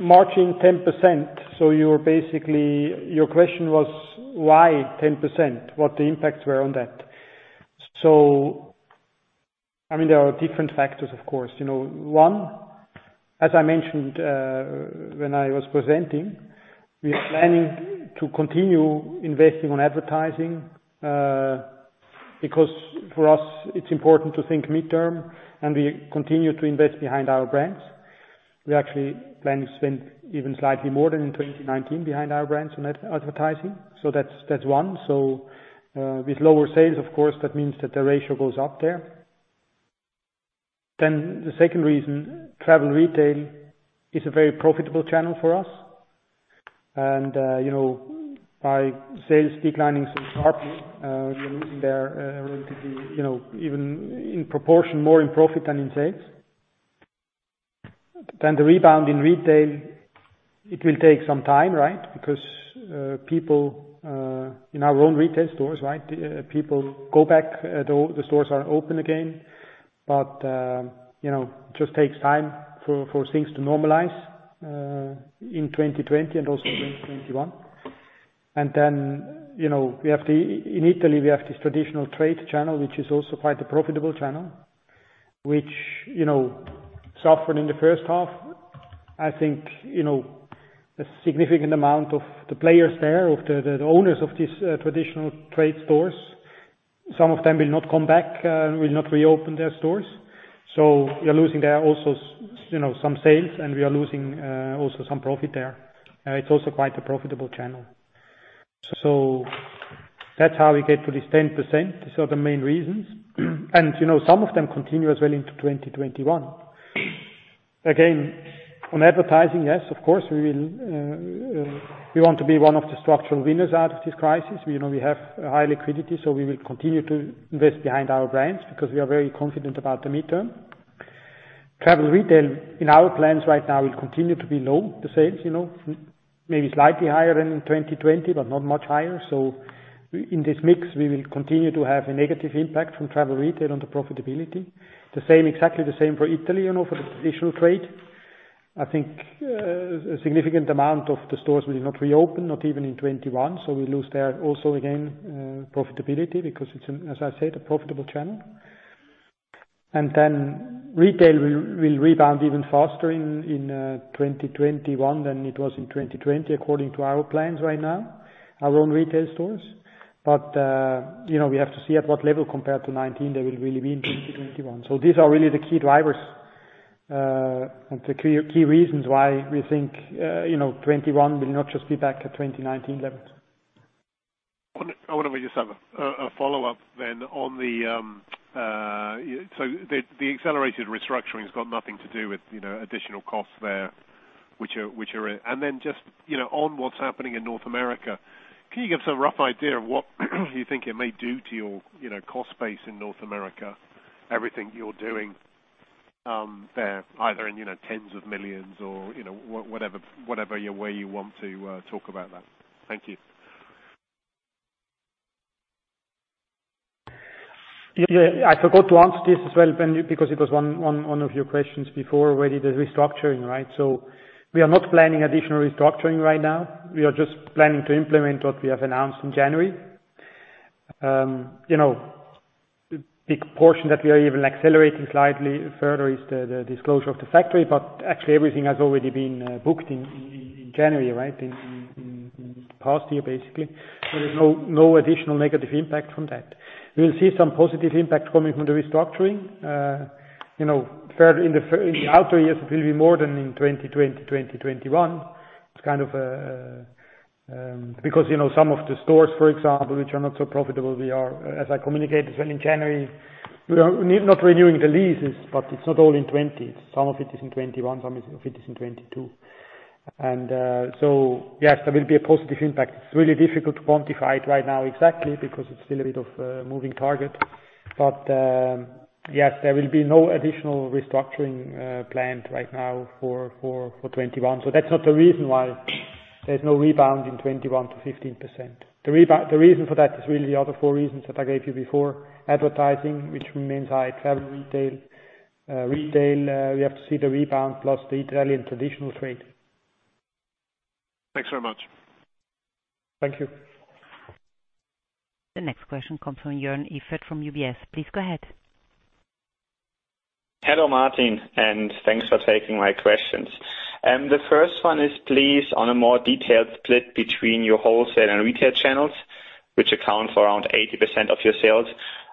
margin 10%. You're basically, your question was why 10%? What the impacts were on that? I mean, there are different factors, of course. One, as I mentioned, when I was presenting, we are planning to continue investing on advertising, because for us, it's important to think midterm, and we continue to invest behind our brands. We actually plan to spend even slightly more than in 2019 behind our brands on advertising. That's one. With lower sales, of course, that means that the ratio goes up there. The second reason, travel retail is a very profitable channel for us. By sales declining so sharply, we are losing there, relatively, even in proportion more in profit than in sales. The rebound in retail, it will take some time, right? Because in our own retail stores, people go back, the stores are open again. It just takes time for things to normalize in 2020 and also 2021. In Italy, we have this traditional trade channel, which is also quite a profitable channel, which suffered in the first half. I think, a significant amount of the players there, of the owners of these traditional trade stores, some of them will not come back, will not reopen their stores. We are losing there also some sales, and we are losing also some profit there. It's also quite a profitable channel. That's how we get to this 10%. These are the main reasons. Some of them continue as well into 2021. Again, on advertising, yes, of course, we want to be one of the structural winners out of this crisis. We know we have high liquidity, so we will continue to invest behind our brands because we are very confident about the midterm. Travel retail in our plans right now will continue to be low, the sales. Maybe slightly higher than in 2020, but not much higher. In this mix, we will continue to have a negative impact from travel retail on the profitability. Exactly the same for Italy, for the traditional trade. I think a significant amount of the stores will not reopen, not even in 2021. We lose there also, again, profitability because it's, as I said, a profitable channel. Retail will rebound even faster in 2021 than it was in 2020, according to our plans right now, our own retail stores. We have to see at what level compared to 2019 they will really be in 2021. These are really the key drivers, and the key reasons why we think 2021 will not just be back at 2019 levels. I wonder if we just have a follow-up then. The accelerated restructuring has got nothing to do with additional costs there, which are in. Just on what's happening in North America, can you give us a rough idea of what you think it may do to your cost base in North America, everything you're doing there, either in CHF tens of millions or whatever way you want to talk about that? Thank you. I forgot to answer this as well, Ben, because it was one of your questions before. Where is the restructuring, right? We are not planning additional restructuring right now. We are just planning to implement what we have announced in January. A big portion that we are even accelerating slightly further is the closure of the factory. Actually, everything has already been booked in January, right, in the past year, basically. There's no additional negative impact from that. We'll see some positive impact coming from the restructuring. In the out years, it will be more than in 2020, 2021. Some of the stores, for example, which are not so profitable, we are, as I communicated well in January, we are not renewing the leases. It's not all in 2020. Some of it is in 2021, some of it is in 2022. Yes, there will be a positive impact. It's really difficult to quantify it right now exactly because it's still a bit of a moving target. Yes, there will be no additional restructuring planned right now for 2021. That's not the reason why there's no rebound in 2021 to 15%. The reason for that is really the other four reasons that I gave you before, advertising, which remains high, travel retail, we have to see the rebound, plus the Italian traditional trade. Thanks very much. Thank you. The next question comes from Joern Iffert from UBS. Please go ahead. Hello, Martin, and thanks for taking my questions. The first one is please, on a more detailed split between your wholesale and retail channels, which account for around 80% of your sales.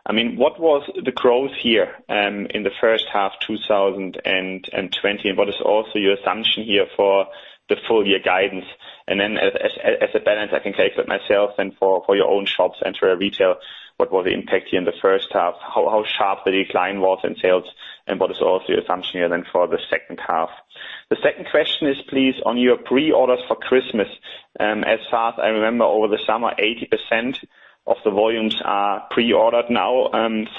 What was the growth here in the first half 2020, and what is also your assumption here for the full year guidance? as a balance, I can calculate myself and for your own shops and through retail, what was the impact here in the first half? How sharp the decline was in sales, and what is also your assumption here then for the second half? The second question is please, on your pre-orders for Christmas. As far as I remember over the summer, 80% of the volumes are pre-ordered now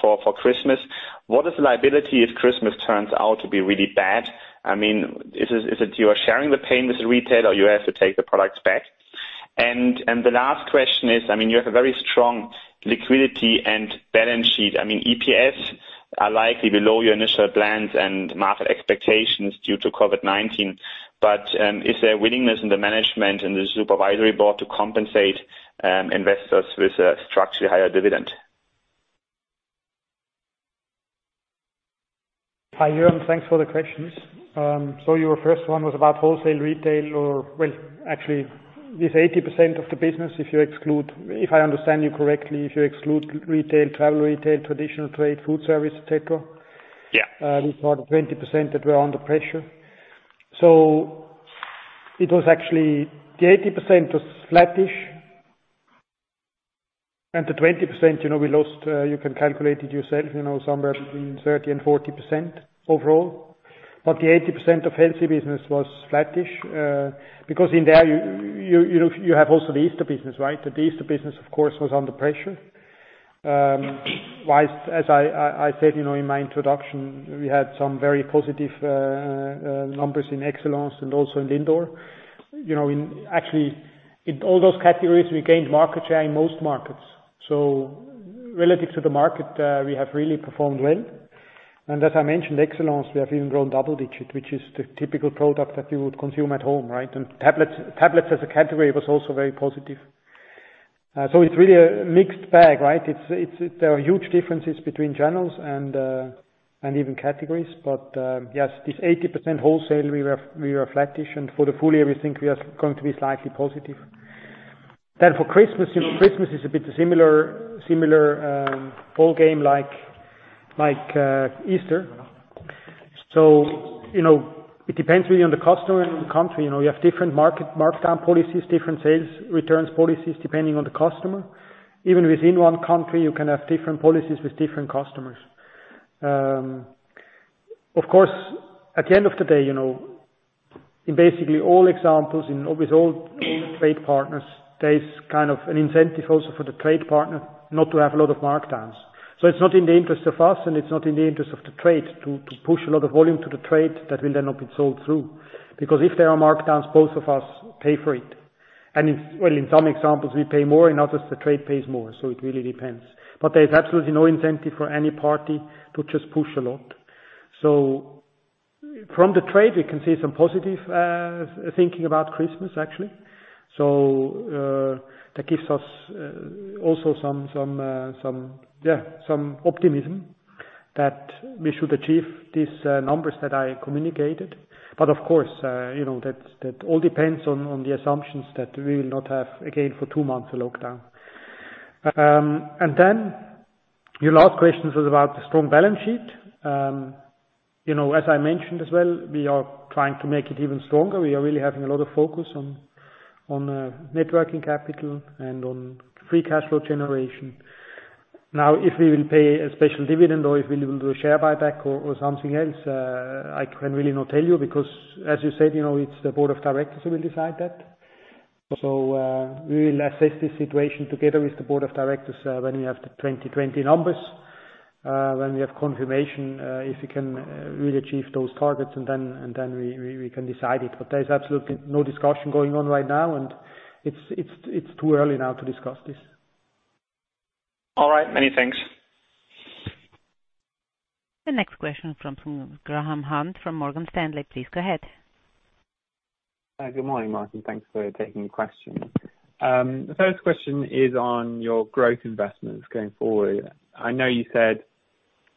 for Christmas. What is the liability if Christmas turns out to be really bad? Is it you are sharing the pain with retail, or you have to take the products back? The last question is, you have a very strong liquidity and balance sheet. EPS are likely below your initial plans and market expectations due to COVID-19. Is there willingness in the management and the supervisory board to compensate investors with a structurally higher dividend? Hi, Joern. Thanks for the questions. Your first one was about wholesale, retail, or, well, actually this 80% of the business if I understand you correctly, if you exclude retail, travel retail, traditional trade, food service, et cetera. Yeah. These are the 20% that were under pressure. It was actually the 80% was flattish, and the 20%, we lost, you can calculate it yourself, somewhere between 30%-40% overall. The 80% of healthy business was flattish. Because in there you have also the Easter business, right? The Easter business, of course, was under pressure. Whilst, as I said in my introduction, we had some very positive numbers in Excellence and also in Lindor. Actually, in all those categories, we gained market share in most markets. Relative to the market, we have really performed well. As I mentioned, Excellence, we have even grown double digit, which is the typical product that you would consume at home, right? Tablets as a category was also very positive. It's really a mixed bag, right? There are huge differences between channels and even categories. Yes, this 80% wholesale, we were flattish, and for the full year, we think we are going to be slightly positive. For Christmas is a bit similar ball game like Easter. It depends really on the customer and the country. You have different markdown policies, different sales returns policies, depending on the customer. Even within one country, you can have different policies with different customers. Of course, at the end of the day, in basically all examples and with all trade partners, there is kind of an incentive also for the trade partner not to have a lot of markdowns. It's not in the interest of us and it's not in the interest of the trade to push a lot of volume to the trade that will then not be sold through. Because if there are markdowns, both of us pay for it. In some examples, we pay more, in others, the trade pays more, so it really depends. There's absolutely no incentive for any party to just push a lot. From the trade, we can see some positive thinking about Christmas, actually. That gives us also some optimism that we should achieve these numbers that I communicated. Of course, that all depends on the assumptions that we will not have, again, for two months, a lockdown. Your last question was about the strong balance sheet. As I mentioned as well, we are trying to make it even stronger. We are really having a lot of focus on net working capital and on free cash flow generation. Now, if we will pay a special dividend or if we will do a share buyback or something else, I can really not tell you because, as you said, it's the board of directors who will decide that. We will assess the situation together with the board of directors when we have the 2020 numbers, when we have confirmation if we can really achieve those targets, and then we can decide it. There's absolutely no discussion going on right now, and it's too early now to discuss this. All right. Many thanks. The next question comes from Graham Hunt from Morgan Stanley. Please go ahead. Good morning, Martin. Thanks for taking the question. The first question is on your growth investments going forward. I know you said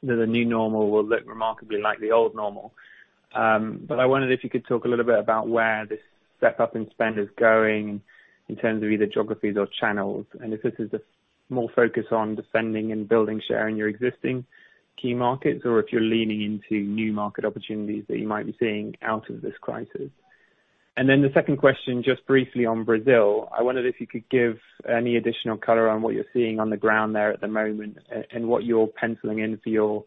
that the new normal will look remarkably like the old normal, but I wondered if you could talk a little bit about where this step-up in spend is going in terms of either geographies or channels, and if this is more focused on defending and building share in your existing key markets or if you're leaning into new market opportunities that you might be seeing out of this crisis. The second question, just briefly on Brazil. I wondered if you could give any additional color on what you're seeing on the ground there at the moment and what you're penciling in for your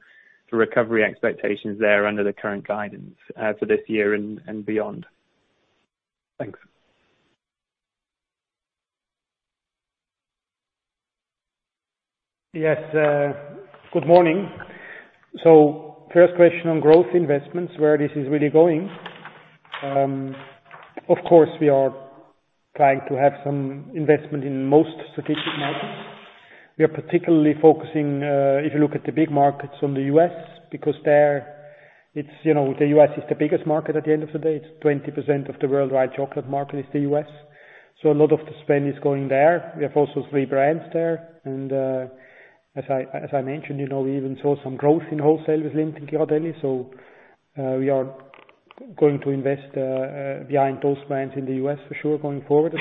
recovery expectations there under the current guidance for this year and beyond. Thanks. Yes. Good morning. first question on growth investments, where this is really going. Of course, we are trying to have some investment in most strategic markets. We are particularly focusing, if you look at the big markets, on the U.S. because the U.S. is the biggest market at the end of the day. 20% of the worldwide chocolate market is the U.S. a lot of the spend is going there. We have also three brands there. as I mentioned, we even saw some growth in wholesale with Lindt & Sprüngli, so we are going to invest behind those brands in the U.S. for sure going forward as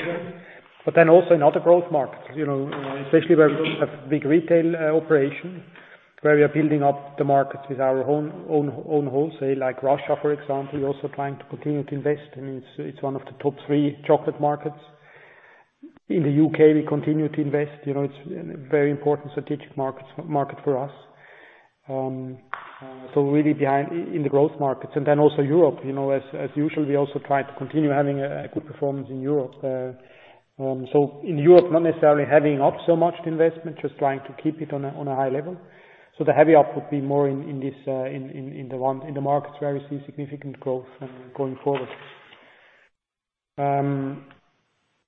well. also in other growth markets, especially where we have big retail operations, where we are building up the markets with our own wholesale, like Russia, for example. We're also trying to continue to invest, and it's one of the top three chocolate markets. In the UK, we continue to invest. It's a very important strategic market for us. Really in the growth markets. Then also Europe. As usual, we also try to continue having a good performance in Europe. In Europe, not necessarily having up so much the investment, just trying to keep it on a high level. The heavy up would be more in the markets where you see significant growth going forward.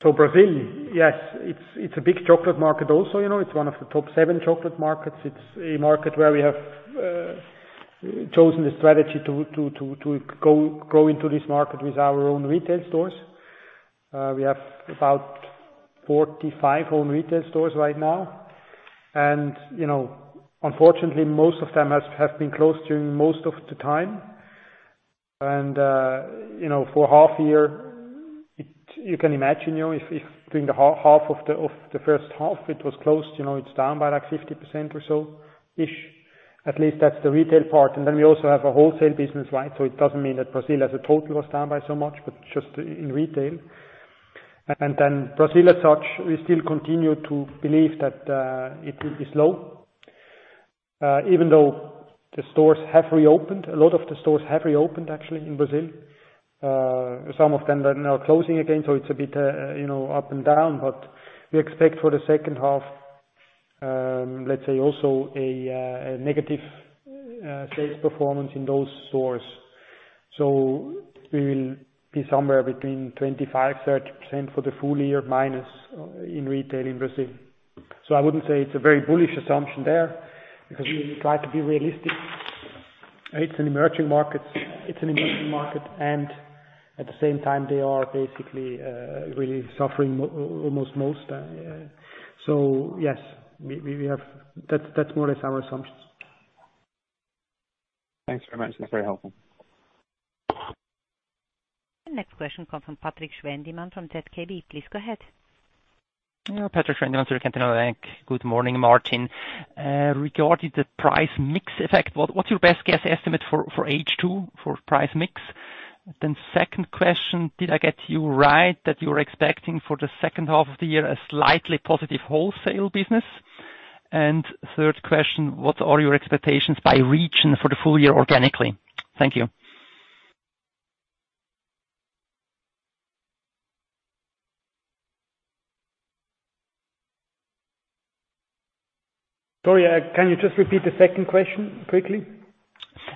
Brazil, yes, it's a big chocolate market also. It's one of the top seven chocolate markets. It's a market where we have chosen the strategy to go into this market with our own retail stores. We have about 45 own retail stores right now. Unfortunately, most of them have been closed during most of the time. For half year, you can imagine, if during the half of the first half it was closed, it's down by like 50% or so, ish. At least that's the retail part. We also have a wholesale business, so it doesn't mean that Brazil as a total was down by so much, but just in retail. Brazil as such, we still continue to believe that it will be slow, even though the stores have reopened. A lot of the stores have reopened, actually, in Brazil. Some of them are now closing again, so it's a bit up and down. We expect for the second half, let's say also a negative sales performance in those stores. We will be somewhere between 25%-30% for the full year minus in retail in Brazil. I wouldn't say it's a very bullish assumption there because we try to be realistic. It's an emerging market, and at the same time, they are basically really suffering almost most. Yes, that's more or less our assumptions. Thanks very much. That's very helpful. The next question comes from Patrik Schwendimann from ZKB. Please go ahead. Patrik Schwendimann, Zürcher Kantonalbank. Good morning, Martin. Regarding the price mix effect, what's your best guess estimate for H2 for price mix? Second question, did I get you right that you were expecting for the second half of the year a slightly positive wholesale business? Third question, what are your expectations by region for the full year organically? Thank you. Sorry, can you just repeat the second question quickly?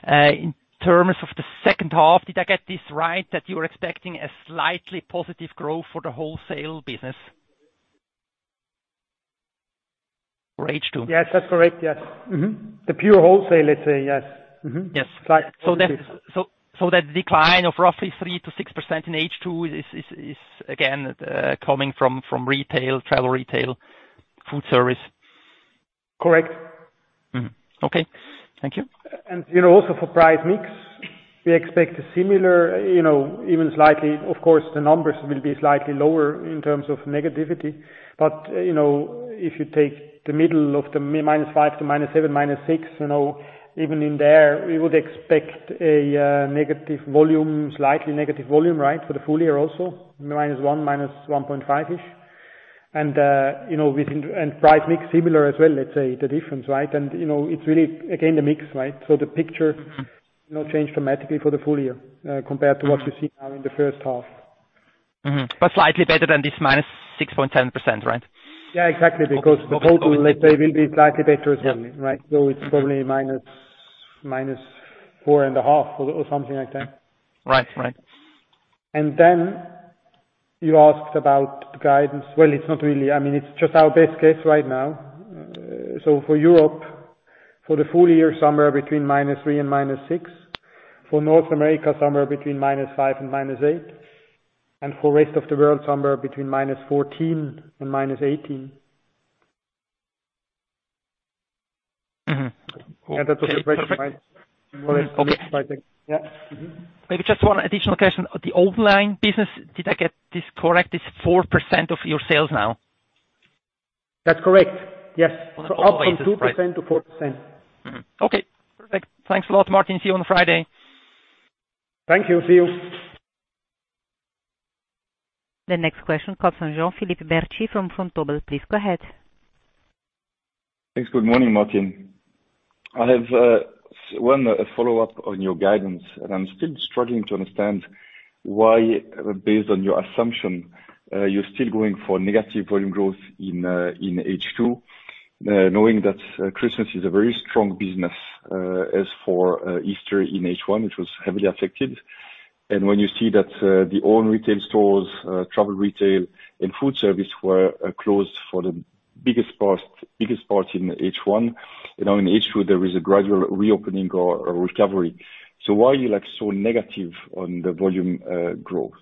In terms of the second half, did I get this right, that you're expecting a slightly positive growth for the wholesale business? For H2. Yes, that's correct. Yes. The pure wholesale, let's say, yes. Yes. Slight positive. that decline of roughly 3% to 6% in H2 is again, coming from retail, travel retail, food service. Correct. Mm-hmm. Okay. Thank you. Also for price mix, we expect a similar, even slightly. Of course, the numbers will be slightly lower in terms of negativity. If you take the middle of the minus five to minus seven, minus six, even in there, we would expect a negative volume, slightly negative volume for the full year also, minus one, minus 1.5-ish. Price mix similar as well, let's say, the difference. It's really, again, the mix. The picture no change dramatically for the full year, compared to what you see now in the first half. Mm-hmm. slightly better than this minus 6.10%, right? Yeah, exactly. Because the total, let's say, will be slightly better as well. It's probably minus four and a half or something like that. Right. You asked about guidance. Well, it's not really. It's just our best guess right now. For Europe, for the full year, somewhere between minus three and minus six. For North America, somewhere between minus five and minus eight. For rest of the world, somewhere between minus 14 and minus 18. That was the question, right? Okay. Yeah. Mm-hmm. Maybe just one additional question. The online business, did I get this correct? It's 4% of your sales now. That's correct. Yes. Up from 2%-4%. Okay, perfect. Thanks a lot, Martin. See you on Friday. Thank you. See you. The next question comes from Jean-Philippe Bertschy from Vontobel. Please go ahead. Thanks. Good morning, Martin. I have one follow-up on your guidance, and I'm still struggling to understand why, based on your assumption, you're still going for negative volume growth in H2, knowing that Christmas is a very strong business, as for Easter in H1, which was heavily affected. When you see that the own retail stores, travel retail and food service were closed for the biggest part in H1, in H2, there is a gradual reopening or recovery. Why are you so negative on the volume growth?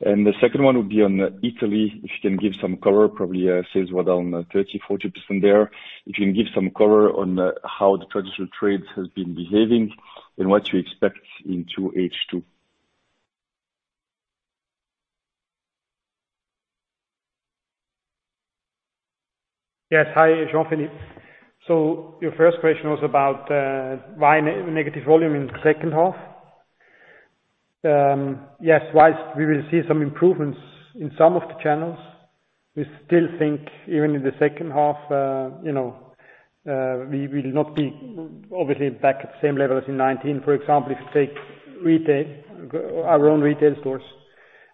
The second one would be on Italy. If you can give some color, probably sales were down 30%-40% there. If you can give some color on how the traditional trades has been behaving and what you expect into H2. Yes. Hi, Jean-Philippe. Your first question was about why negative volume in the second half. Yes, while we will see some improvements in some of the channels, we still think even in the second half, we will not be obviously back at the same level as in 2019. For example, if you take our own retail stores,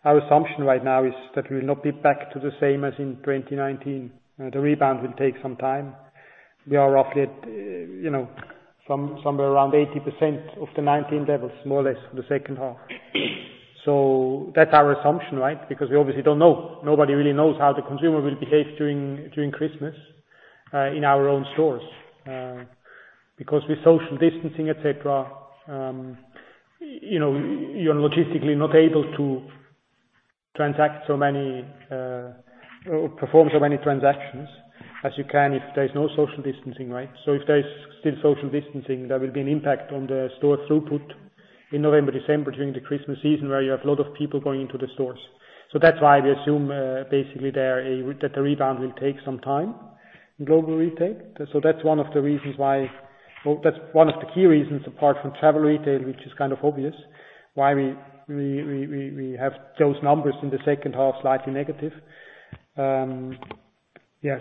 our assumption right now is that we will not be back to the same as in 2019. The rebound will take some time. We are roughly at somewhere around 80% of the 2019 levels, more or less, for the second half. That's our assumption. Because we obviously don't know. Nobody really knows how the consumer will behave during Christmas in our own stores. Because with social distancing, et cetera, you're logistically not able to perform so many transactions as you can if there is no social distancing. If there is still social distancing, there will be an impact on the store throughput in November, December during the Christmas season where you have a lot of people going into the stores. That's why we assume basically there that the rebound will take some time in global retail. That's one of the key reasons apart from travel retail, which is kind of obvious, why we have those numbers in the second half slightly negative. Yes.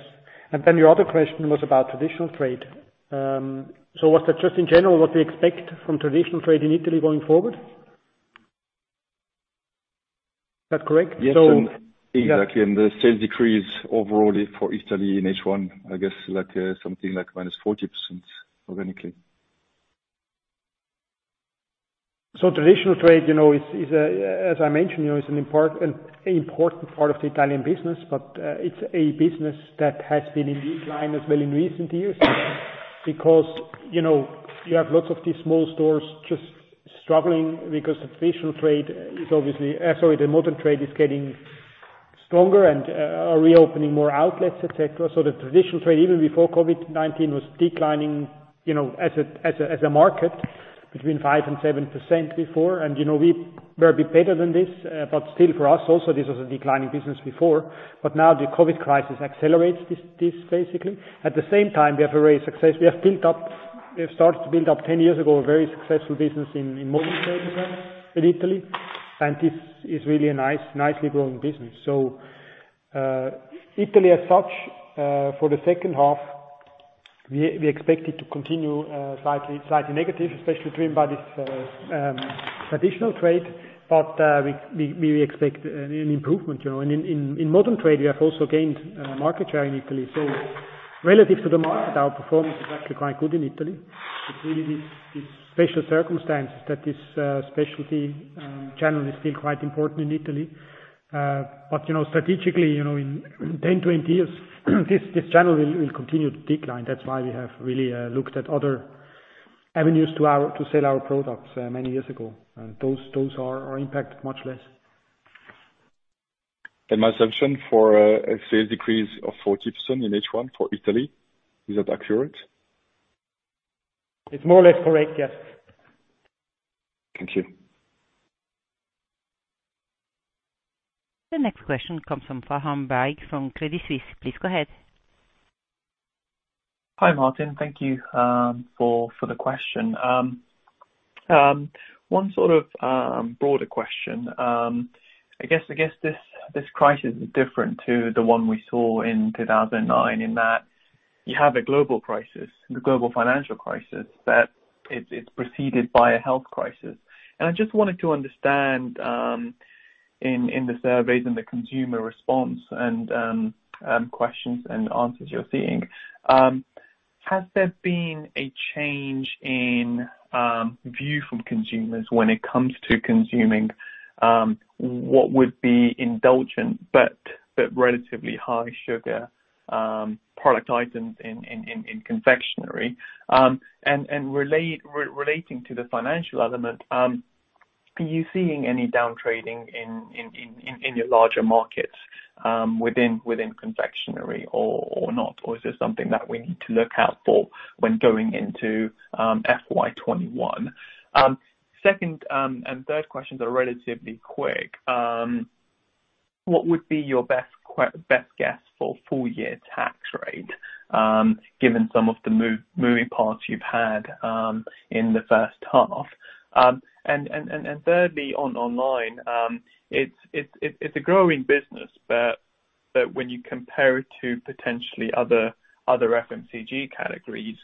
Your other question was about traditional trade. Was that just in general what we expect from traditional trade in Italy going forward? Is that correct? Yes. Exactly. The sales decrease overall for Italy in H1, I guess something like minus 40% organically. Traditional trade, as I mentioned, is an important part of the Italian business, but it's a business that has been in decline as well in recent years because you have lots of these small stores just struggling because the modern trade is getting stronger and are reopening more outlets, et cetera. The traditional trade, even before COVID-19, was declining as a market between 5% and 7% before. We were a bit better than this, but still for us also, this was a declining business before. Now the COVID crisis accelerates this basically. At the same time, we have to raise success. We have started to build up 10 years ago, a very successful business in modern trade in Italy, and this is really a nicely growing business. Italy as such, for the second half, we expect it to continue slightly negative, especially driven by this traditional trade, but we expect an improvement. In modern trade, we have also gained market share in Italy. Relative to the market, our performance is actually quite good in Italy. It's really this special circumstances that this specialty channel is still quite important in Italy. Strategically, in 10, 20 years, this channel will continue to decline. That's why we have really looked at other avenues to sell our products many years ago, and those are impacted much less. My assumption for a sales decrease of 40% in H1 for Italy, is that accurate? It's more or less correct, yes. Thank you. The next question comes from Farhan Baig from Credit Suisse. Please go ahead. Hi, Martin. Thank you for the question. One sort of broader question. I guess this crisis is different to the one we saw in 2009, in that you have a global crisis, the global financial crisis, but it's preceded by a health crisis. I just wanted to understand, in the surveys and the consumer response and questions and answers you're seeing, has there been a change in view from consumers when it comes to consuming what would be indulgent, but relatively high sugar product items in confectionery? Relating to the financial element, are you seeing any down trading in your larger markets within confectionery or not? Is this something that we need to look out for when going into FY 2021? Second and third questions are relatively quick. What would be your best guess for full year tax rate, given some of the moving parts you've had in the first half? Thirdly on online, it's a growing business, but when you compare it to potentially other FMCG categories,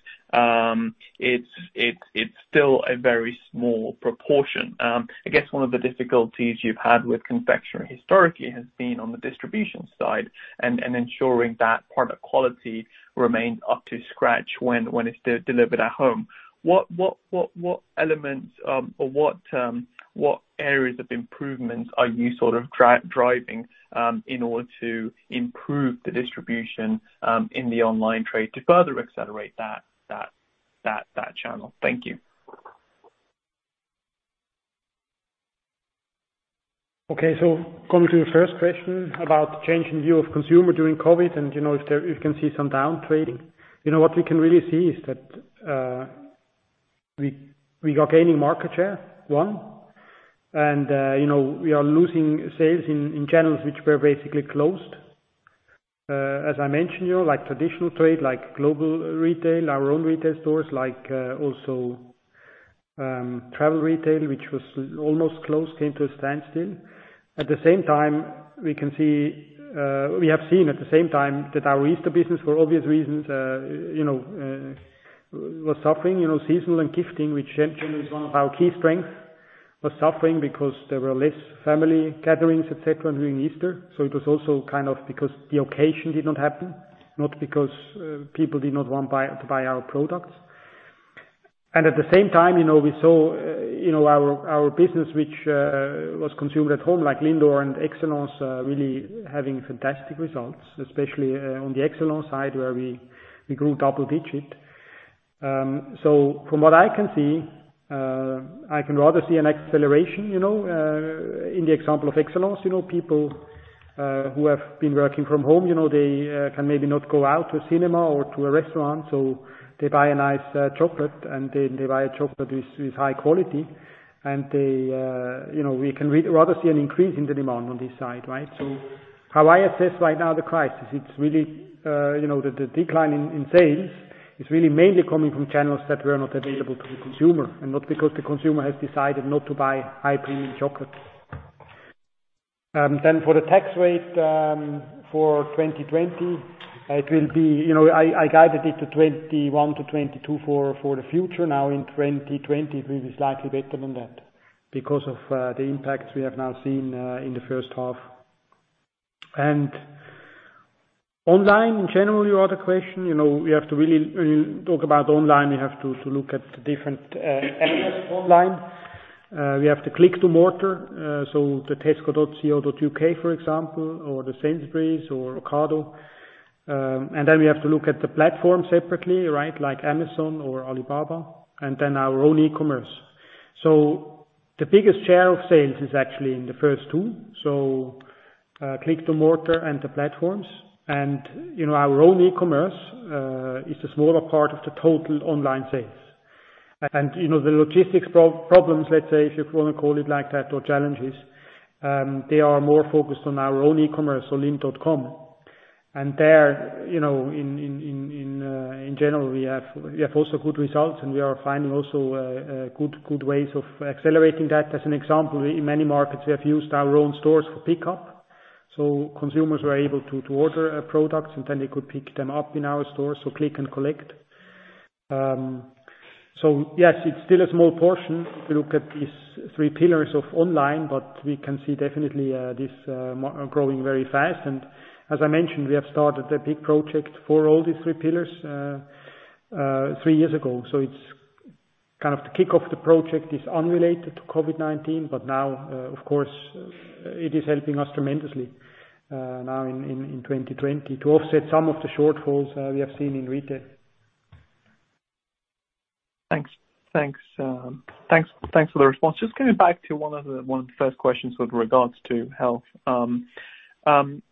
it's still a very small proportion. I guess one of the difficulties you've had with confectionery historically has been on the distribution side and ensuring that product quality remains up to scratch when it's delivered at home. What elements or what areas of improvements are you sort of driving in order to improve the distribution in the online trade to further accelerate that channel? Thank you. Okay. Coming to the first question about the change in view of consumer during COVID and if you can see some down trading. What we can really see is that we are gaining market share, one, and we are losing sales in channels which were basically closed. As I mentioned, like traditional trade, like global retail, our own retail stores, like also travel retail, which was almost closed, came to a standstill. At the same time we have seen that our Easter business, for obvious reasons, was suffering. Seasonal and gifting, which generally is one of our key strengths, was suffering because there were less family gatherings, et cetera, during Easter. It was also because the occasion did not happen, not because people did not want to buy our products. At the same time, we saw our business which was consumed at home, like Lindor and Excellence, really having fantastic results, especially on the Excellence side where we grew double digit. From what I can see, I can rather see an acceleration in the example of Excellence. People who have been working from home, they can maybe not go out to a cinema or to a restaurant, so they buy a nice chocolate and they buy a chocolate which is high quality. We can rather see an increase in the demand on this side, right? How I assess right now the crisis, the decline in sales is really mainly coming from channels that were not available to the consumer and not because the consumer has decided not to buy high-premium chocolate. For the tax rate for 2020, I guided it to 21-22 for the future. Now in 2020, it will be slightly better than that because of the impact we have now seen in the first half. Online in general, your other question, when you talk about online, we have to look at the different aspects of online. We have the click-and-mortar, so the Tesco.co.uk, for example, or the Sainsbury's or Ocado. Then we have to look at the platform separately, right? Like Amazon or Alibaba, and then our own e-commerce. The biggest share of sales is actually in the first two, so click-and-mortar and the platforms. Our own e-commerce is the smaller part of the total online sales. The logistics problems, let's say, if you want to call it like that, or challenges, they are more focused on our own e-commerce or lindt.com. There, in general, we have also good results, and we are finding also good ways of accelerating that. As an example, in many markets, we have used our own stores for pickup, so consumers were able to order a product, and then they could pick them up in our store, so click and collect. Yes, it's still a small portion if you look at these three pillars of online, but we can see definitely this growing very fast. As I mentioned, we have started a big project for all these three pillars three years ago. It's kind of the kickoff the project is unrelated to COVID-19, but now, of course, it is helping us tremendously now in 2020 to offset some of the shortfalls we have seen in retail. Thanks for the response. Just going back to one of the first questions with regards to health.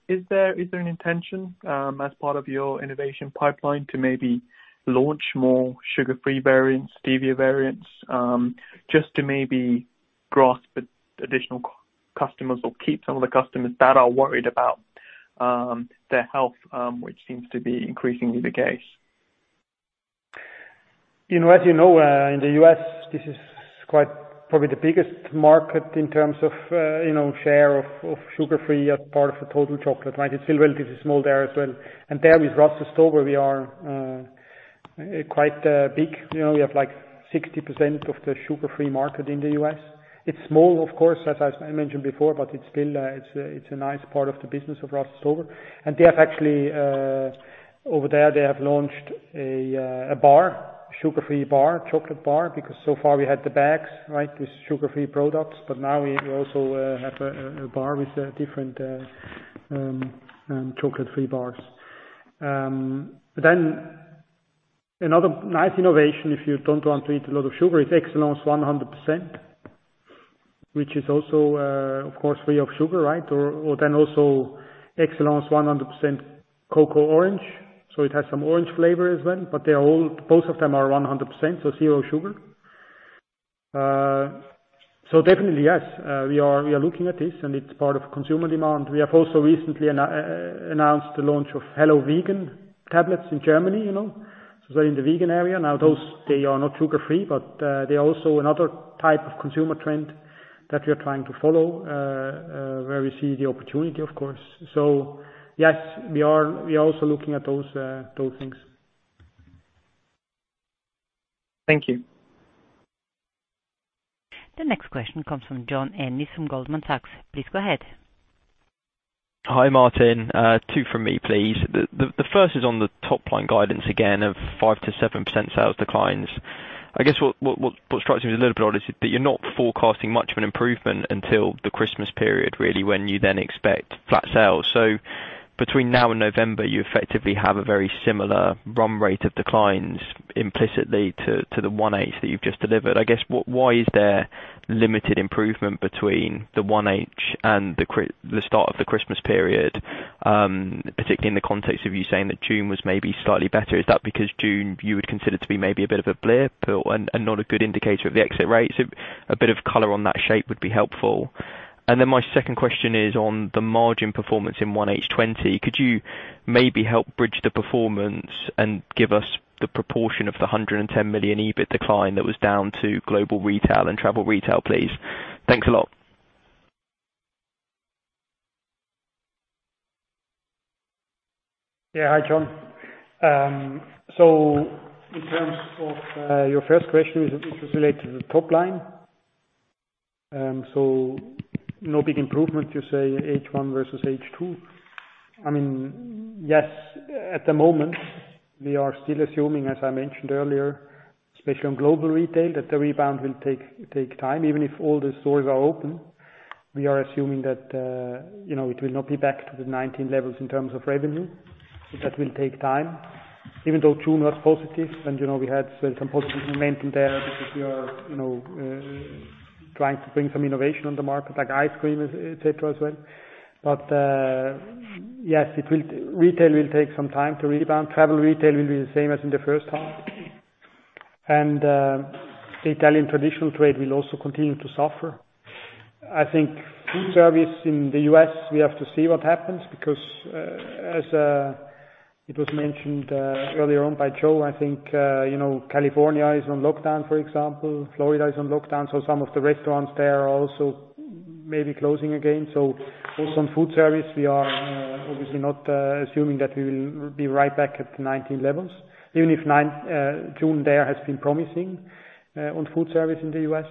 Is there an intention, as part of your innovation pipeline, to maybe launch more sugar-free variants, stevia variants, just to maybe grasp additional customers or keep some of the customers that are worried about their health, which seems to be increasingly the case? As you know, in the U.S., this is probably the biggest market in terms of share of sugar-free as part of the total chocolate. It's still relatively small there as well. There with Russell Stover, we are quite big. We have like 60% of the sugar-free market in the U.S. It's small, of course, as I mentioned before, but it's a nice part of the business of Russell Stover. Over there, they have launched a sugar-free chocolate bar. Because so far we had the bags with sugar-free products, but now we also have a bar with different chocolate free bars. Another nice innovation, if you don't want to eat a lot of sugar, is Excellence 100%, which is also, of course, free of sugar. Then also EXCELLENCE 100% Cacao Orange, so it has some orange flavor as well. both of them are 100%, so zero sugar. definitely, yes, we are looking at this and it's part of consumer demand. We have also recently announced the launch of Hello Vegan tablets in Germany in the vegan area. Now those, they are not sugar-free, but they're also another type of consumer trend that we are trying to follow, where we see the opportunity, of course. yes, we are also looking at those things. Thank you. The next question comes from John Ennis from Goldman Sachs. Please go ahead. Hi, Martin. Two from me, please. The first is on the top line guidance again of 5%-7% sales declines. I guess what strikes me as a little bit odd is that you're not forecasting much of an improvement until the Christmas period, really, when you then expect flat sales. Between now and November, you effectively have a very similar run rate of declines implicitly to the 1H that you've just delivered. I guess, why is there limited improvement between the 1H and the start of the Christmas period, particularly in the context of you saying that June was maybe slightly better. Is that because June you would consider to be maybe a bit of a blip and not a good indicator of the exit rates? A bit of color on that shape would be helpful. My second question is on the margin performance in 1H20. Could you maybe help bridge the performance and give us the proportion of the 110 million EBIT decline that was down to global retail and travel retail, please? Thanks a lot. Yeah. Hi, John. In terms of your first question, which was related to the top line. No big improvement you say H1 versus H2. I mean, yes, at the moment, we are still assuming, as I mentioned earlier, especially on global retail, that the rebound will take time. Even if all the stores are open, we are assuming that it will not be back to the '19 levels in terms of revenue. That will take time. Even though June was positive and we had some positive momentum there because we are trying to bring some innovation on the market, like ice cream, et cetera, as well. Yes, retail will take some time to rebound. Travel retail will be the same as in the first half. Italian traditional trade will also continue to suffer. I think food service in the U.S., we have to see what happens because, as it was mentioned earlier on by Joe, I think California is on lockdown, for example. Florida is on lockdown. Some of the restaurants there are also maybe closing again. Also on food service, we are obviously not assuming that we will be right back at the '19 levels, even if June there has been promising on food service in the U.S.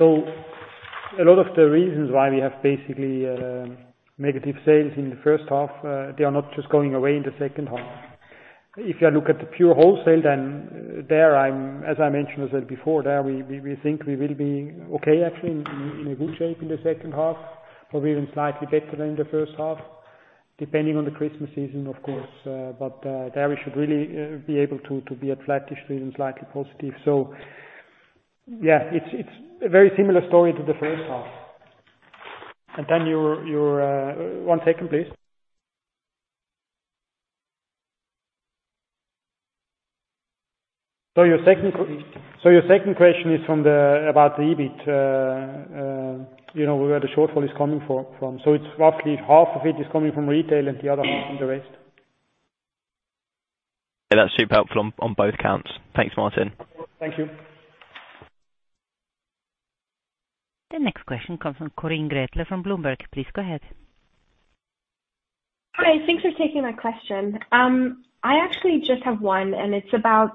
A lot of the reasons why we have basically negative sales in the first half, they are not just going away in the second half. If you look at the pure wholesale, then there, as I mentioned before, there we think we will be okay, actually, in a good shape in the second half, probably even slightly better than the first half, depending on the Christmas season, of course. there we should really be able to be at flat-ish to even slightly positive. yeah, it's a very similar story to the first half. your One second, please. your second question is about the EBIT, where the shortfall is coming from. it's roughly half of it is coming from retail and the other half from the rest. Yeah, that's super helpful on both counts. Thanks, Martin. Thank you. The next question comes from Corinne Gretler from Bloomberg. Please go ahead. Hi. Thanks for taking my question. I actually just have one, and it's about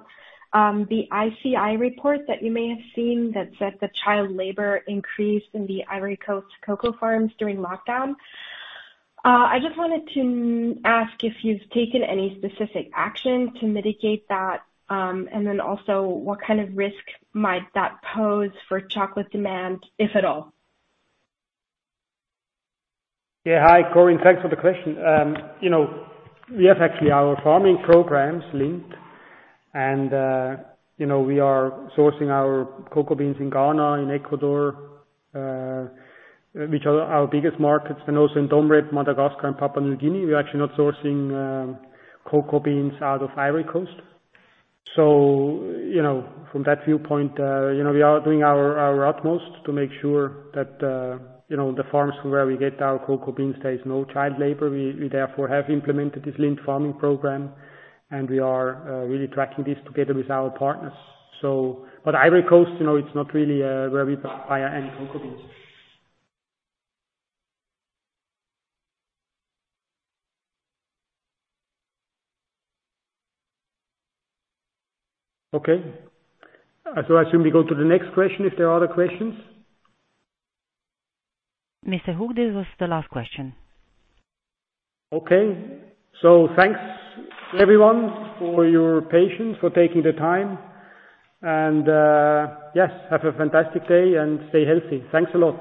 the ICI report that you may have seen that said that child labor increased in the Ivory Coast cocoa farms during lockdown. I just wanted to ask if you've taken any specific action to mitigate that, and then also what kind of risk might that pose for chocolate demand, if at all? Yeah. Hi, Corinne, thanks for the question. We have actually our farming programs Lindt and we are sourcing our cocoa beans in Ghana and Ecuador, which are our biggest markets, and also in Dom Rep, Madagascar and Papua New Guinea. We're actually not sourcing cocoa beans out of Ivory Coast. From that viewpoint, we are doing our utmost to make sure that the farms from where we get our cocoa beans, there is no child labor. We therefore have implemented this Lindt farming program, and we are really tracking this together with our partners. Ivory Coast, it's not really where we buy any cocoa beans. Okay. I assume we go to the next question if there are other questions. Mr. Hug, this was the last question. Okay. thanks everyone for your patience, for taking the time. yes, have a fantastic day and stay healthy. Thanks a lot.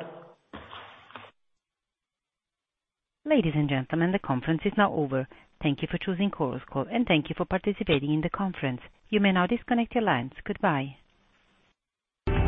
Ladies and gentlemen, the conference is now over. Thank you for choosing Chorus Call, and thank you for participating in the conference. You may now disconnect your lines. Goodbye.